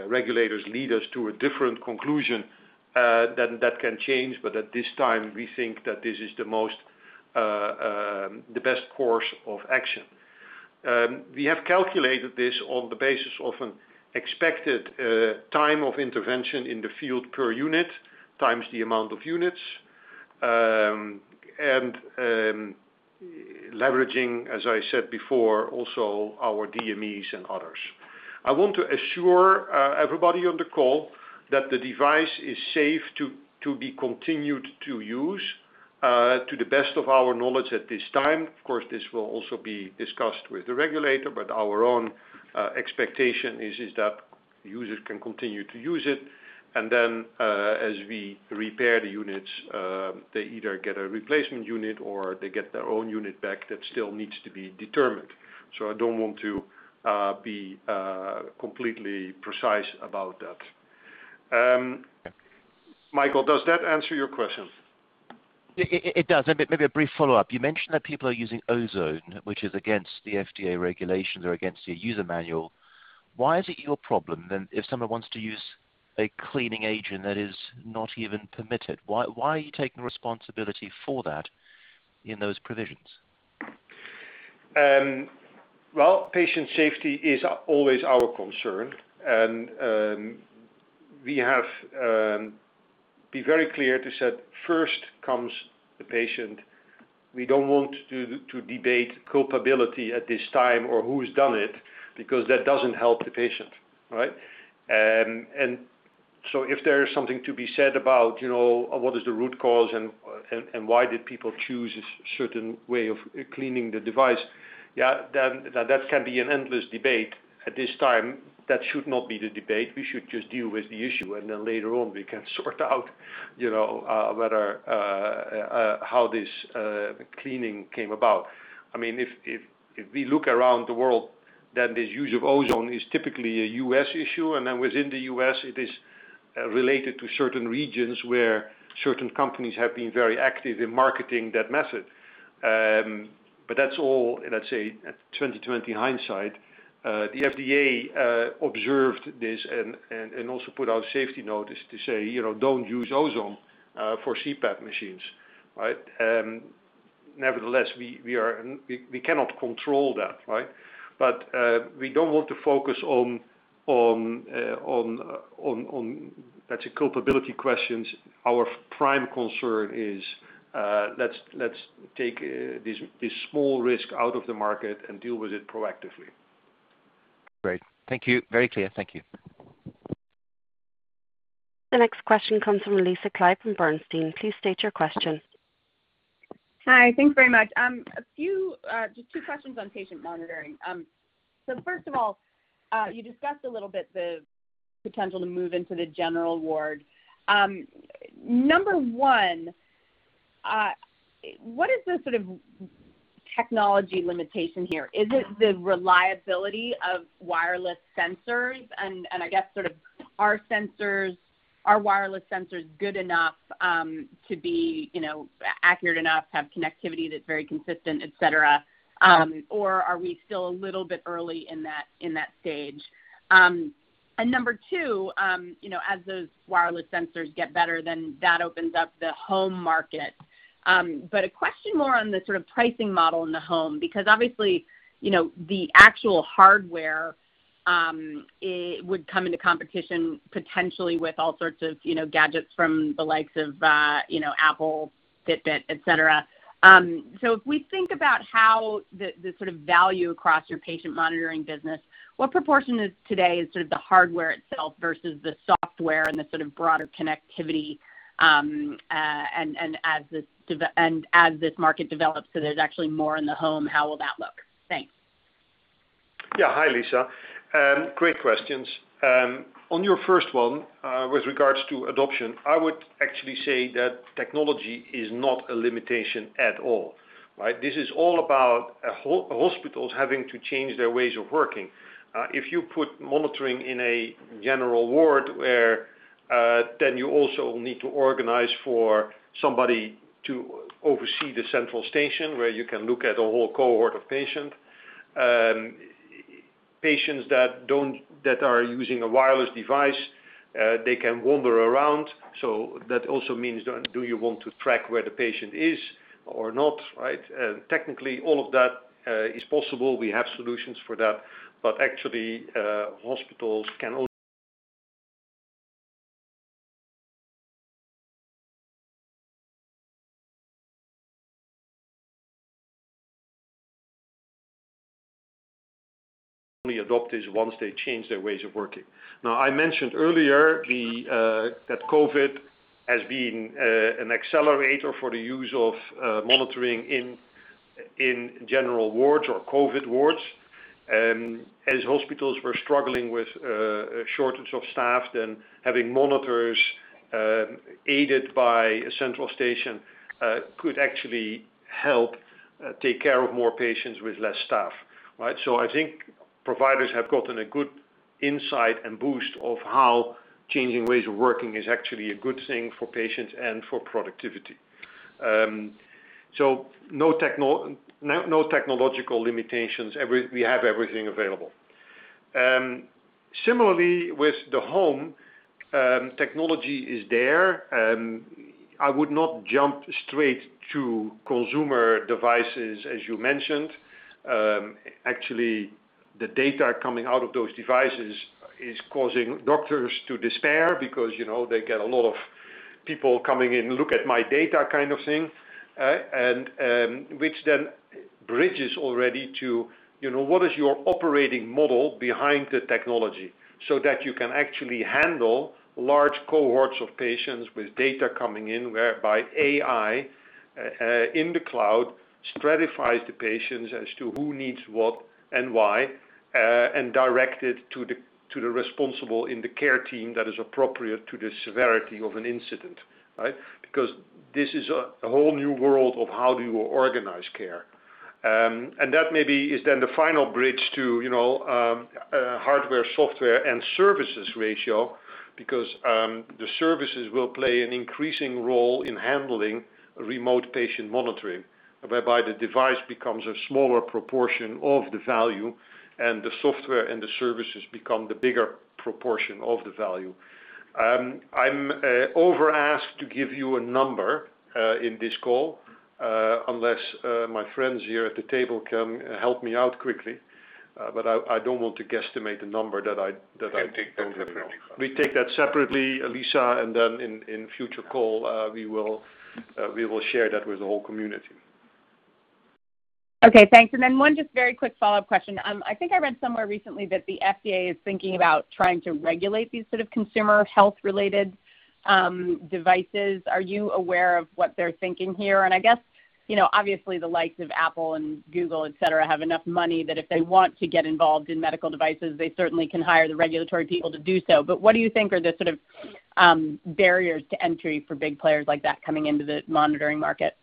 regulators lead us to a different conclusion, then that can change, but at this time, we think that this is the best course of action. We have calculated this on the basis of an expected time of intervention in the field per unit, times the amount of units, and leveraging, as I said before, also our DMEs and others. I want to assure everybody on the call that the device is safe to be continued to use, to the best of our knowledge at this time. Of course, this will also be discussed with the regulator. Our own expectation is that users can continue to use it. As we repair the units, they either get a replacement unit or they get their own unit back. That still needs to be determined. I don't want to be completely precise about that. Michael, does that answer your question? It does. Maybe a brief follow-up. You mentioned that people are using ozone, which is against the FDA regulations or against your user manual. Why is it your problem if someone wants to use a cleaning agent that is not even permitted? Why are you taking responsibility for that in those provisions? Well, patient safety is always our concern. We have been very clear to say, first comes the patient. We don't want to debate culpability at this time or who's done it, because that doesn't help the patient. Right? If there is something to be said about, what is the root cause and why did people choose a certain way of cleaning the device, yeah, that can be an endless debate. At this time, that should not be the debate. We should just deal with the issue, later on, we can sort out how this cleaning came about. If we look around the world, this use of ozone is typically a U.S. issue. Within the U.S., it is related to certain regions where certain companies have been very active in marketing that method. That's all, let's say, 2020 hindsight. The FDA observed this and also put out safety notice to say, "Don't use ozone for CPAP machines. Right? Nevertheless, we cannot control that. Right? We don't want to focus on, let's say, culpability questions. Our prime concern is, let's take this small risk out of the market and deal with it proactively. Great. Thank you. Very clear. Thank you. The next question comes from Lisa Clive from Bernstein. Please state your question. Hi. Thanks very much. Just two questions on patient monitoring. First of all, you discussed a little bit the potential to move into the general ward. Number 1, what is the sort of technology limitation here. Is it the reliability of wireless sensors and, I guess sort of, are wireless sensors good enough to be accurate enough, have connectivity that's very consistent, etc.? Are we still a little bit early in that stage? Number two, as those wireless sensors get better, then that opens up the home market. A question more on the sort of pricing model in the home, because obviously, the actual hardware would come into competition potentially with all sorts of gadgets from the likes of Apple, Fitbit, etc. If we think about how the sort of value across your patient monitoring business, what proportion today is sort of the hardware itself versus the software and the sort of broader connectivity, and as this market develops, so there's actually more in the home, how will that look? Thanks. Yeah. Hi, Lisa. Great questions. Your first one, with regards to adoption, I would actually say that technology is not a limitation at all, right? This is all about hospitals having to change their ways of working. If you put monitoring in a general ward, you also need to organize for somebody to oversee the central station where you can look at a whole cohort of patients. Patients that are using a wireless device, they can wander around, that also means do you want to track where the patient is or not, right? Technically, all of that is possible. We have solutions for that, actually, hospitals can only adopt this once they change their ways of working. I mentioned earlier that COVID has been an accelerator for the use of monitoring in general wards or COVID wards. As hospitals were struggling with a shortage of staff, then having monitors aided by a central station could actually help take care of more patients with less staff, right? I think providers have gotten a good insight and boost of how changing ways of working is actually a good thing for patients and for productivity. No technological limitations. We have everything available. Similarly, with the home, technology is there. I would not jump straight to consumer devices, as you mentioned. The data coming out of those devices is causing doctors to despair because they get a lot of people coming in, look at my data kind of thing, which then bridges already to what is your operating model behind the technology so that you can actually handle large cohorts of patients with data coming in, whereby AI in the cloud stratifies the patients as to who needs what and why, and direct it to the responsible in the care team that is appropriate to the severity of an incident, right. This is a whole new world of how do you organize care. That maybe is then the final bridge to hardware, software, and services ratio because the services will play an increasing role in handling remote patient monitoring, whereby the device becomes a smaller proportion of the value and the software and the services become the bigger proportion of the value. I'm over-asked to give you a number in this call, unless my friends here at the table can help me out quickly, but I don't want to guesstimate the number. Can take that separately. don't have now. We take that separately, Lisa, and then in future call, we will share that with the whole community. Okay, thanks. Then one just very quick follow-up question. I think I read somewhere recently that the FDA is thinking about trying to regulate these sort of consumer health-related devices. Are you aware of what they're thinking here? I guess, obviously the likes of Apple and Google, etc., have enough money that if they want to get involved in medical devices, they certainly can hire the regulatory people to do so. What do you think are the sort of barriers to entry for big players like that coming into the monitoring market?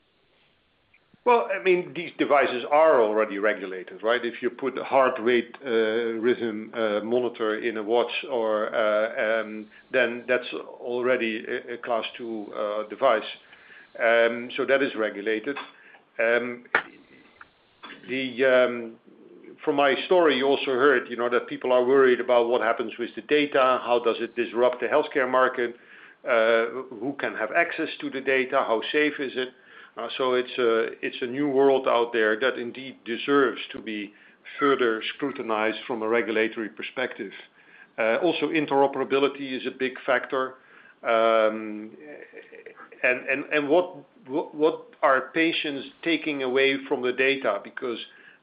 Well, these devices are already regulated, right? If you put a heart rate rhythm monitor in a watch, that's already a Class II device. That is regulated. From my story, you also heard that people are worried about what happens with the data, how does it disrupt the healthcare market, who can have access to the data, how safe is it? It's a new world out there that indeed deserves to be further scrutinized from a regulatory perspective. Interoperability is a big factor. What are patients taking away from the data? Because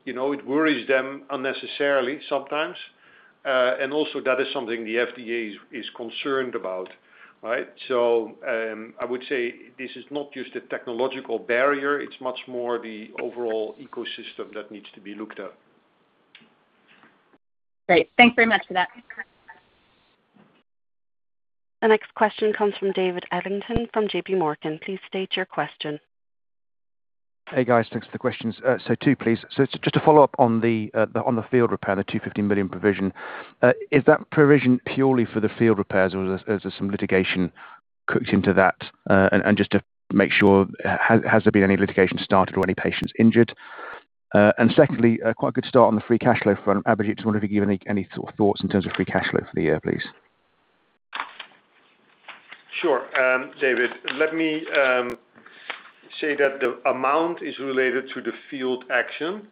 it worries them unnecessarily sometimes. That is something the FDA is concerned about, right? I would say this is not just a technological barrier, it's much more the overall ecosystem that needs to be looked at. Great. Thanks very much for that. The next question comes from David Adlington from JPMorgan. Please state your question. Hey, guys. Thanks for the questions. Two, please. Just to follow up on the field repair, the 250 million provision. Is that provision purely for the field repairs or is there some litigation cooked into that? Just to make sure, has there been any litigation started or any patients injured? Secondly, quite a good start on the free cash flow front, Abhijit. Just wonder if you can give any thoughts in terms of free cash flow for the year, please. Sure. David, let me say that the amount is related to the field action.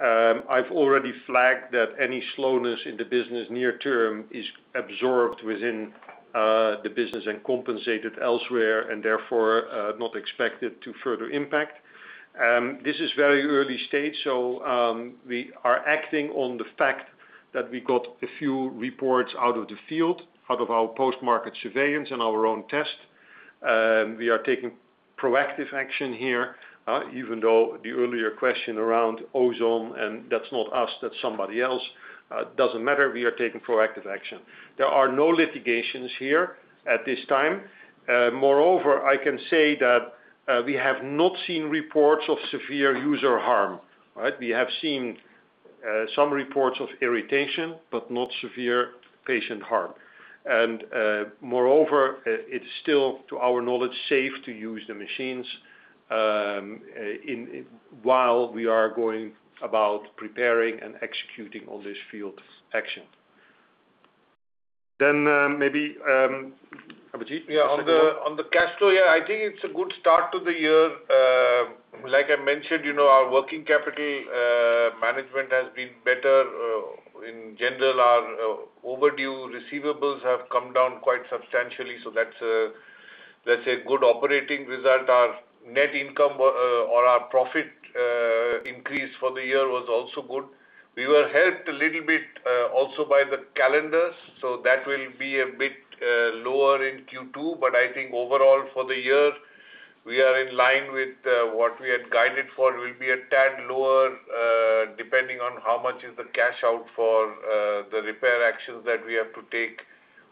I've already flagged that any slowness in the business near term is absorbed within the business and compensated elsewhere, and therefore not expected to further impact. This is very early stage, we are acting on the fact that we got a few reports out of the field, out of our post-market surveillance and our own test. We are taking proactive action here. Even though the earlier question around ozone, and that's not us, that's somebody else, doesn't matter. We are taking proactive action. There are no litigations here at this time. Moreover, I can say that we have not seen reports of severe user harm. Right. We have seen some reports of irritation, but not severe patient harm. Moreover, it's still, to our knowledge, safe to use the machines while we are going about preparing and executing on this field action. Maybe, Abhijit, second one? Yeah, on the cash flow, I think it's a good start to the year. Like I mentioned, our working capital management has been better. In general, our overdue receivables have come down quite substantially, so that's a good operating result. Our net income or our profit increase for the year was also good. We were helped a little bit also by the calendars, so that will be a bit lower in Q2. I think overall for the year, we are in line with what we had guided for. We'll be a tad lower, depending on how much is the cash out for the repair actions that we have to take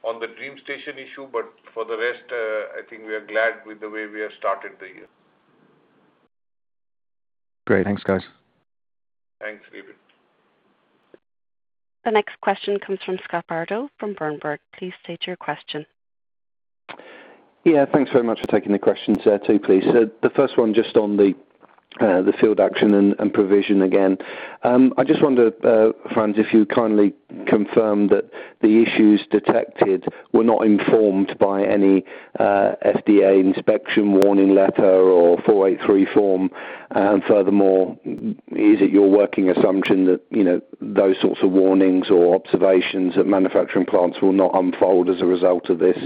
on the DreamStation issue. For the rest, I think we are glad with the way we have started the year. Great. Thanks, guys. Thanks, David. The next question comes from Scott Bardo from Berenberg. Please state your question. Yeah. Thanks very much for taking the questions. Two, please. The first one, just on the field action and provision again. I just wonder, Frans, if you kindly confirm that the issues detected were not informed by any FDA inspection warning letter or Form 483. Furthermore, is it your working assumption that those sorts of warnings or observations at manufacturing plants will not unfold as a result of this?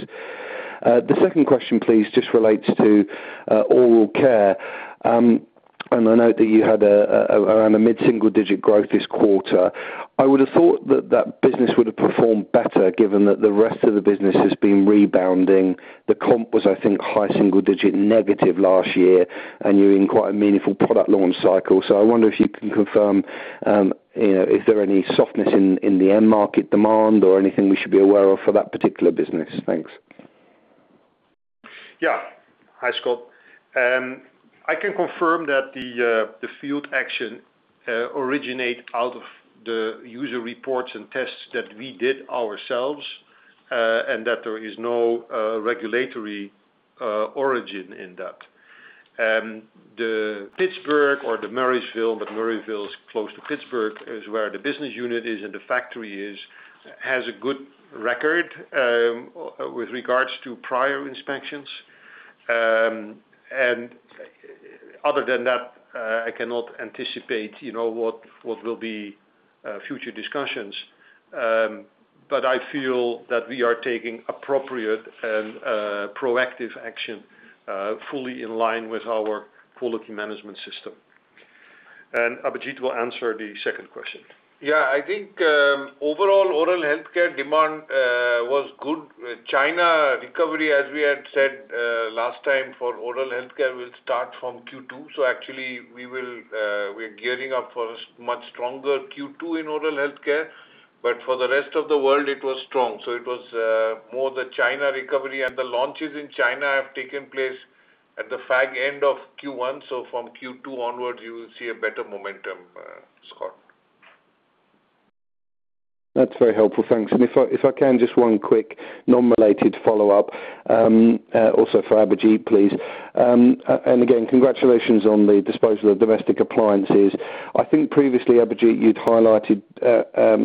The second question, please, just relates to oral care. I note that you had around a mid-single-digit growth this quarter. The comp was, I think, high single digit negative last year, and you're in quite a meaningful product launch cycle. I wonder if you can confirm, is there any softness in the end market demand or anything we should be aware of for that particular business? Thanks. Yeah. Hi, Scott. I can confirm that the field action originate out of the user reports and tests that we did ourselves, that there is no regulatory origin in that. The Pittsburgh or the Murrysville, but Murrysville is close to Pittsburgh, is where the business unit is and the factory is, has a good record with regards to prior inspections. Other than that, I cannot anticipate what will be future discussions. I feel that we are taking appropriate and proactive action, fully in line with our quality management system. Abhijit will answer the second question. Yeah, I think, overall, oral healthcare demand was good. China recovery, as we had said last time for oral healthcare, will start from Q2. Actually, we're gearing up for a much stronger Q2 in oral healthcare. For the rest of the world, it was strong. It was more the China recovery and the launches in China have taken place at the end of Q1. From Q2 onwards, you will see a better momentum, Scott. That's very helpful. Thanks. If I can, just one quick, non-related follow-up, also for Abhijit, please. Again, congratulations on the disposal of Domestic Appliances. I think previously, Abhijit, you'd highlighted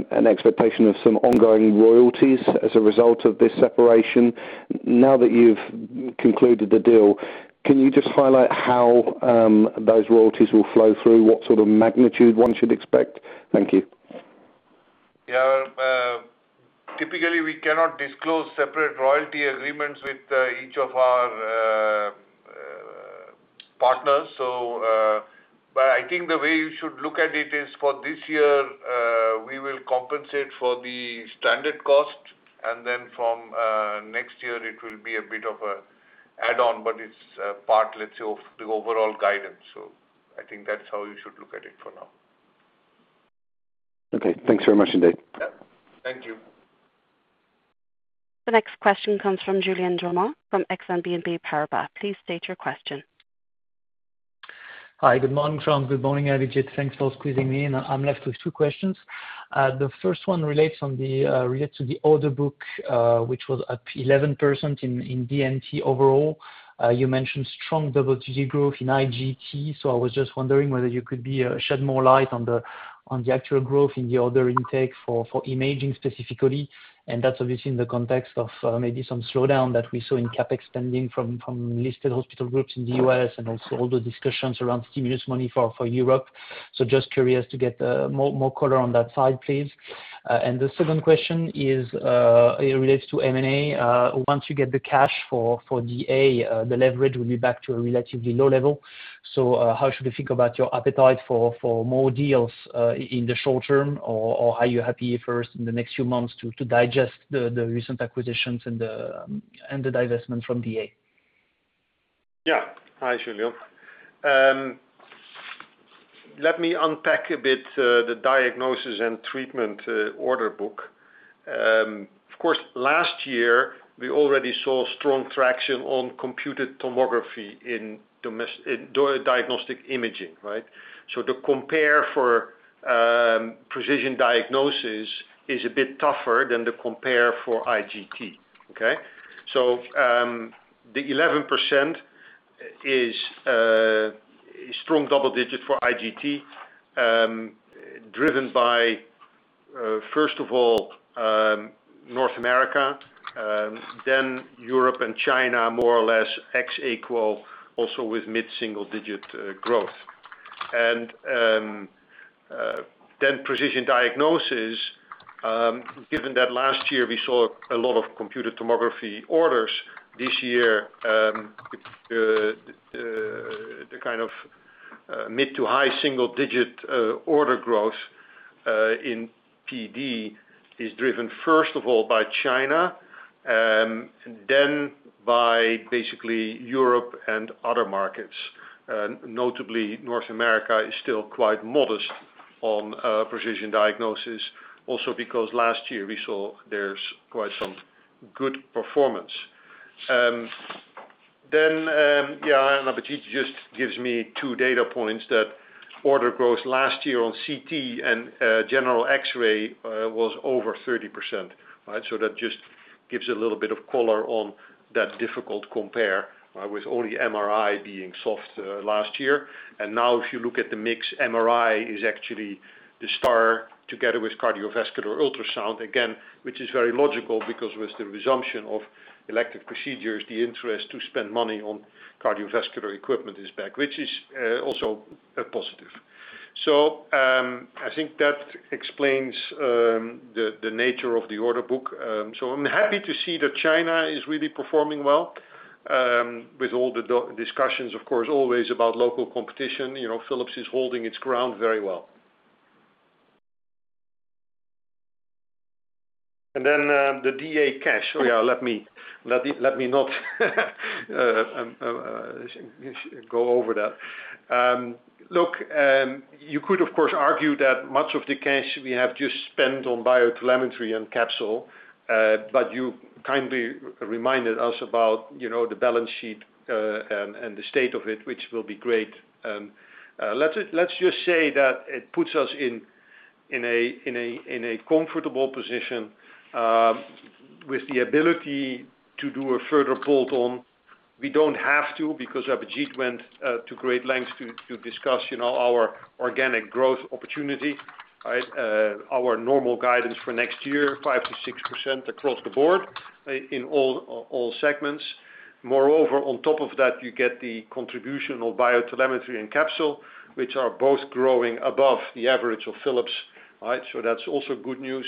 an expectation of some ongoing royalties as a result of this separation. Now that you've concluded the deal, can you just highlight how those royalties will flow through? What sort of magnitude one should expect? Thank you. Yeah. Typically, we cannot disclose separate royalty agreements with each of our partners. I think the way you should look at it is for this year, we will compensate for the standard cost, and then from next year it will be a bit of an add-on, but it's part, let's say, of the overall guidance. I think that's how you should look at it for now. Okay. Thanks very much indeed. Yeah. Thank you. The next question comes from Julien Dormois from Exane BNP Paribas. Please state your question. Hi, good morning, Frans van Houten. Good morning, Abhijit Bhattacharya. Thanks for squeezing me in. I'm left with two questions. The first one relates to the order book, which was up 11% in D&T overall. You mentioned strong double-digit growth in IGT, so I was just wondering whether you could shed more light on the actual growth in the order intake for imaging specifically, and that's obviously in the context of maybe some slowdown that we saw in CapEx spending from listed hospital groups in the U.S. and also all the discussions around stimulus money for Europe. Just curious to get more color on that side, please. The second question relates to M&A. Once you get the cash for DA, the leverage will be back to a relatively low level. How should we think about your appetite for more deals, in the short term, or are you happy first in the next few months to digest the recent acquisitions and the divestment from DA? Hi, Julien. Let me unpack a bit, the Diagnosis & Treatment order book. Of course, last year, we already saw strong traction on computed tomography in diagnostic imaging. Right? The compare for Precision Diagnosis is a bit tougher than the compare for IGT. Okay? The 11% is strong double digit for IGT, driven by, first of all, North America, then Europe and China, more or less ex aequo, also with mid-single-digit growth. Precision Diagnosis, given that last year we saw a lot of computed tomography orders this year, the kind of mid-to-high single-digit order growth in PD is driven first of all by China. By basically Europe and other markets. Notably, North America is still quite modest on Precision Diagnosis, also because last year we saw there's quite some good performance. Yeah, Abhijit just gives me two data points that order growth last year on CT and general X-ray was over 30%. Right. That just gives a little bit of color on that difficult compare with only MRI being soft last year. Now if you look at the mix, MRI is actually the star together with cardiovascular ultrasound, again, which is very logical because with the resumption of elective procedures. The interest to spend money on cardiovascular equipment is back, which is also a positive. I think that explains the nature of the order book. I'm happy to see that China is really performing well, with all the discussions, of course, always about local competition. Philips is holding its ground very well. The DA cash. Oh, yeah, let me not go over that. You could, of course, argue that much of the cash we have just spent on BioTelemetry and Capsule Technologies. You kindly reminded us about the balance sheet, and the state of it, which will be great. Let's just say that it puts us in a comfortable position with the ability to do a further bolt-on. We don't have to because Abhijit went to great lengths to discuss our organic growth opportunity. Right? Our normal guidance for next year, 5%-6% across the board in all segments. On top of that, you get the contribution of BioTelemetry and Capsule Technologies, which are both growing above the average of Philips. Right? That's also good news.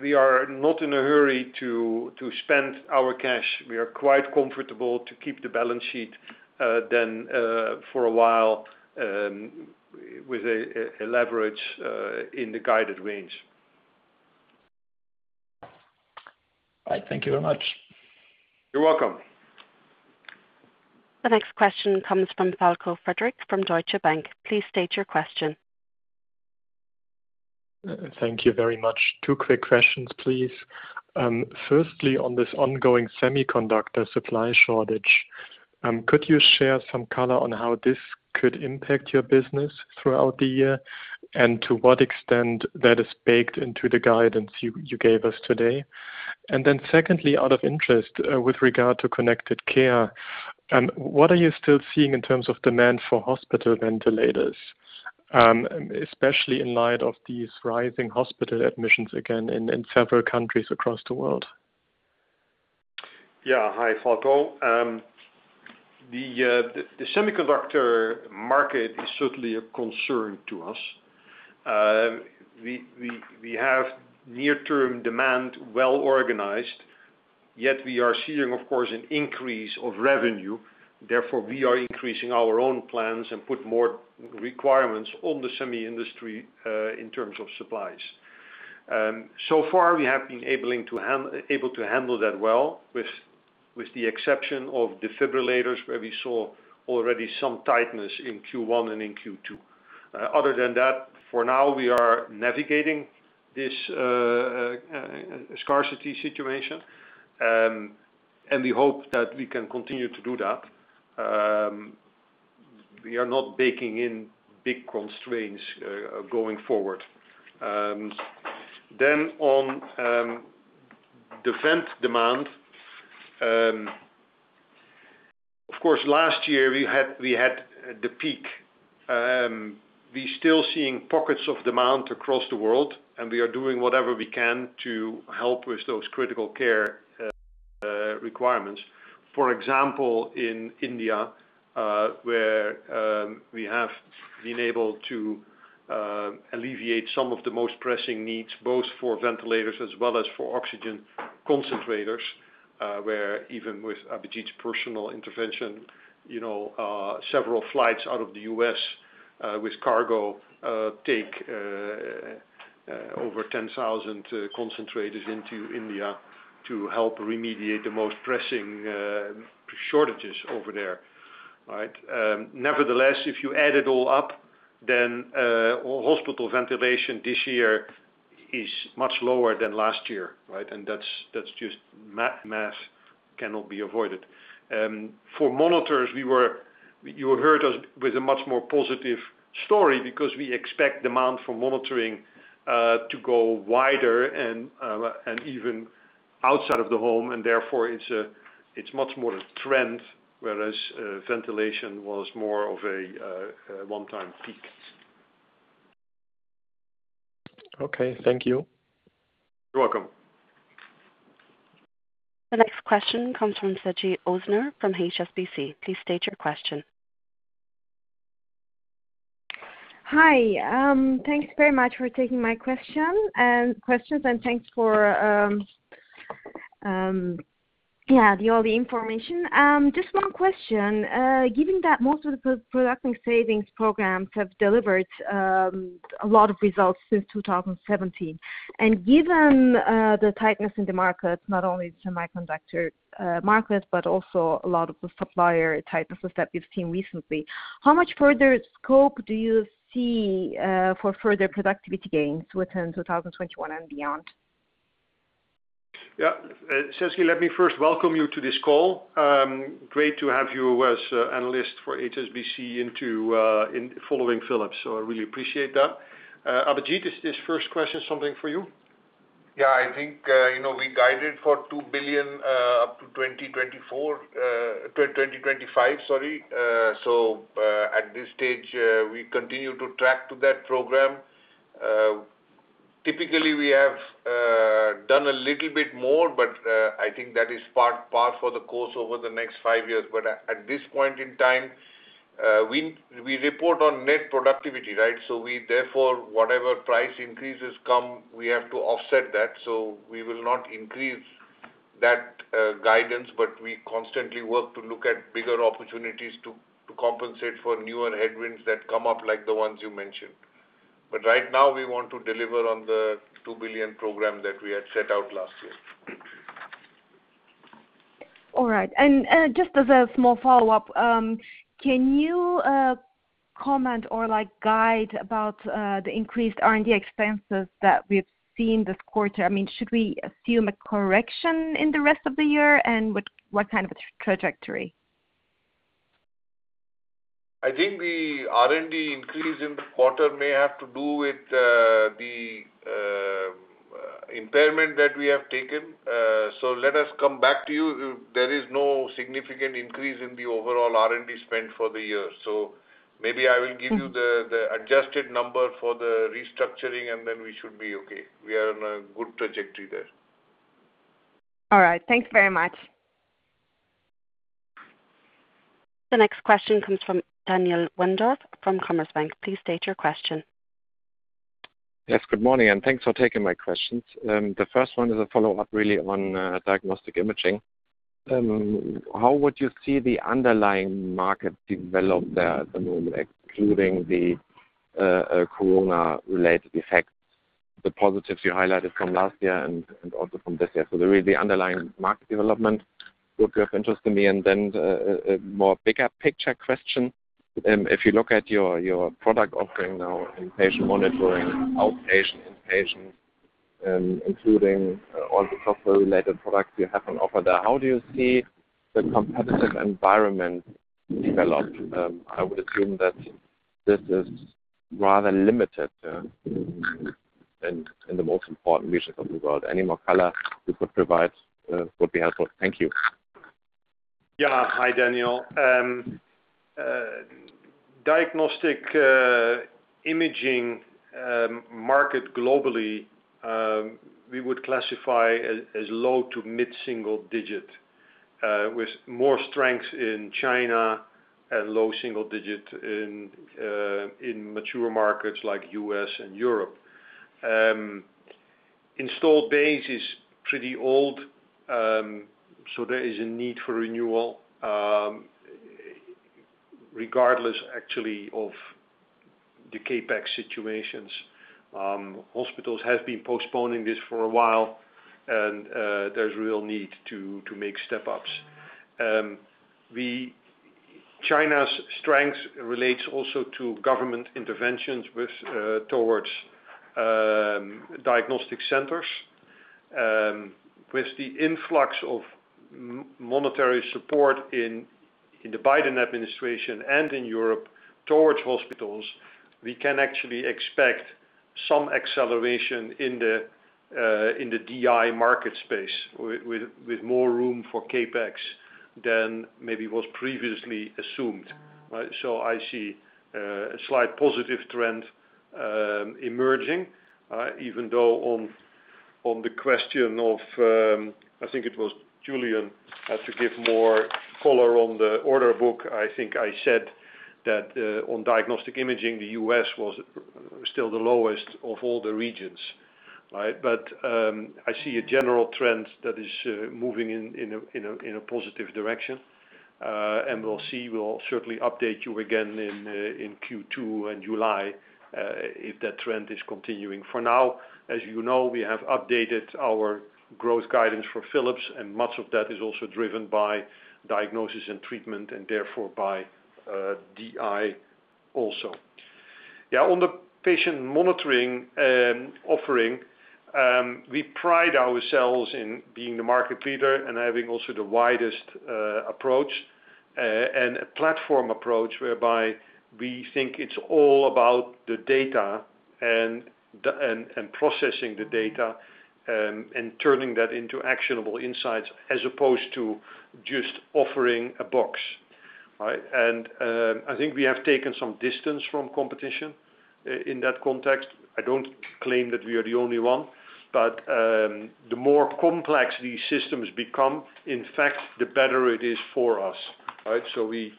We are not in a hurry to spend our cash. We are quite comfortable to keep the balance sheet, then, for a while, with a leverage in the guided range. Right. Thank you very much. You're welcome. The next question comes from Falko Friedrichs from Deutsche Bank. Please state your question. Thank you very much. Two quick questions, please. Firstly, on this ongoing semiconductor supply shortage, could you share some color on how this could impact your business throughout the year and to what extent that is baked into the guidance you gave us today? Secondly, out of interest, with regard to Connected Care, what are you still seeing in terms of demand for hospital ventilators, especially in light of these rising hospital admissions again in several countries across the world? Yeah. Hi, Falko. The semiconductor market is certainly a concern to us. We have near-term demand well organized, yet we are seeing, of course, an increase of revenue. We are increasing our own plans and put more requirements on the semi industry, in terms of supplies. So far, we have been able to handle that well, with the exception of defibrillators, where we saw already some tightness in Q1 and in Q2. Other than that, for now, we are navigating this scarcity situation, and we hope that we can continue to do that. We are not baking in big constraints going forward. On vent demand. Of course, last year, we had the peak. We're still seeing pockets of demand across the world, and we are doing whatever we can to help with those critical care requirements. For example, in India, where we have been able to alleviate some of the most pressing needs, both for ventilators as well as for oxygen concentrators, where even with Abhijit's personal intervention, several flights out of the U.S., with cargo, take over 10,000 concentrators into India to help remediate the most pressing shortages over there. If you add it all up, then hospital ventilation this year is much lower than last year. That's just math cannot be avoided. For monitors, you heard us with a much more positive story because we expect demand for monitoring to go wider and even outside of the home, and therefore, it's much more a trend, whereas ventilation was more of a one-time peak. Okay. Thank you. You're welcome. The next question comes from Sezgi Ozener from HSBC. Please state your question. Hi. Thanks very much for taking my questions, and thanks for all the information. Just one question. Given that most of the production savings programs have delivered a lot of results since 2017, and given the tightness in the market, not only the semiconductor market, but also a lot of the supplier tightnesses that we've seen recently, how much further scope do you see for further productivity gains within 2021 and beyond? Yeah. Sezgi, let me first welcome you to this call. Great to have you as analyst for HSBC and following Philips. I really appreciate that. Abhijit, is this first question something for you? Yeah, I think, we guided for 2 billion, up to 2024-2025, sorry. At this stage, we continue to track to that program. Typically, we have done a little bit more, but, I think that is par for the course over the next five years. At this point in time, we report on net productivity, right? We, therefore, whatever price increases come, we have to offset that. We will not increase that guidance, but we constantly work to look at bigger opportunities to compensate for newer headwinds that come up like the ones you mentioned. Right now, we want to deliver on the 2 billion program that we had set out last year. All right. Just as a small follow-up, can you comment or guide about the increased R&D expenses that we've seen this quarter? Should we assume a correction in the rest of the year, and what kind of a trajectory? I think the R&D increase in the quarter may have to do with the impairment that we have taken. Let us come back to you. There is no significant increase in the overall R&D spend for the year. Maybe I will give you the adjusted number for the restructuring, and then we should be okay. We are on a good trajectory there. All right. Thanks very much. The next question comes from Daniel Wendorff from Commerzbank. Please state your question. Yes, good morning, and thanks for taking my questions. The first one is a follow-up, really, on diagnostic imaging. How would you see the underlying market develop there at the moment, excluding the corona-related effects, the positives you highlighted from last year and also from this year? The really underlying market development would be of interest to me, and then a more bigger picture question. If you look at your product offering now in patient monitoring, outpatient, inpatient, including all the software-related products you have on offer there, how do you see the competitive environment develop? I would assume that this is rather limited in the most important regions of the world. Any more color you could provide would be helpful. Thank you. Hi, Daniel. Diagnostic imaging market globally, we would classify as low to mid-single digit, with more strength in China and low single digit in mature markets like U.S. and Europe. Installed base is pretty old, so there is a need for renewal. Regardless actually of the CapEx situations. Hospitals have been postponing this for a while, and there's real need to make step-ups. China's strength relates also to government interventions towards diagnostic centers. With the influx of monetary support in the Biden administration and in Europe towards hospitals, we can actually expect some acceleration in the DI market space, with more room for CapEx than maybe was previously assumed. I see a slight positive trend emerging, even though on the question of, I think it was Julien, had to give more color on the order book. I think I said that on diagnostic imaging, the U.S. was still the lowest of all the regions. I see a general trend that is moving in a positive direction. We'll see. We'll certainly update you again in Q2 and July, if that trend is continuing. For now, as you know, we have updated our growth guidance for Philips, and much of that is also driven by Diagnosis & Treatment and therefore by DI also. Yeah. On the patient monitoring offering, we pride ourselves in being the market leader and having also the widest approach. A platform approach whereby we think it's all about the data and processing the data, and turning that into actionable insights as opposed to just offering a box. I think we have taken some distance from competition, in that context. I don't claim that we are the only one. The more complex these systems become, in fact, the better it is for us. We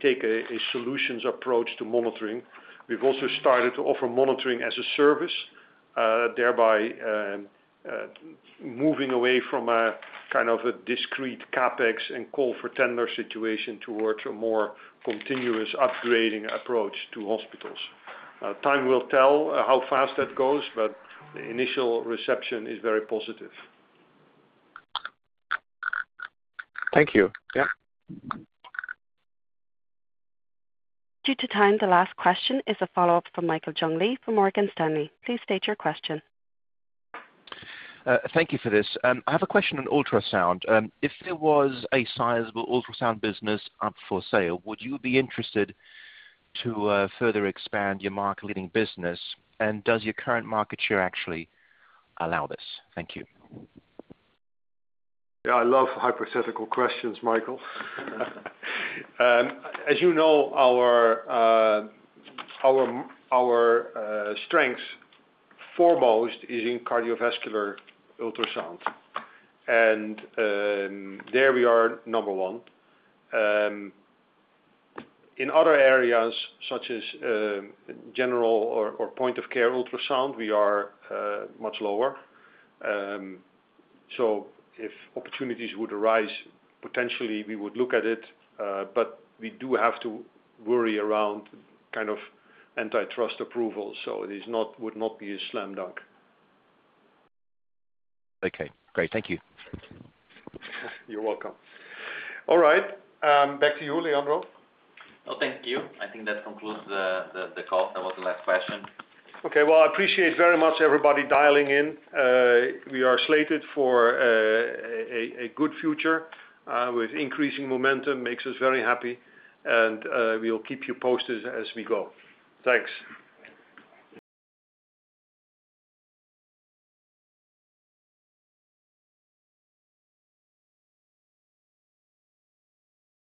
take a solutions approach to monitoring. We've also started to offer monitoring as a service, thereby, moving away from a kind of a discrete CapEx and call for tender situation towards a more continuous upgrading approach to hospitals. Time will tell how fast that goes, but the initial reception is very positive. Thank you. Yeah. Due to time, the last question is a follow-up from Michael Jüngling from Morgan Stanley. Please state your question. Thank you for this. I have a question on ultrasound. If there was a sizable ultrasound business up for sale, would you be interested to further expand your market-leading business? Does your current market share actually allow this? Thank you. Yeah, I love hypothetical questions, Michael. As you know, our strength foremost is in cardiovascular ultrasound. There we are number one. In other areas such as general or point-of-care ultrasound, we are much lower. If opportunities would arise, potentially we would look at it. We do have to worry around kind of antitrust approval. It would not be a slam dunk. Okay, great. Thank you. You're welcome. All right. Back to you, Leandro. Oh, thank you. I think that concludes the call. That was the last question. Okay. Well, I appreciate very much everybody dialing in. We are slated for a good future, with increasing momentum. Makes us very happy. We'll keep you posted as we go. Thanks.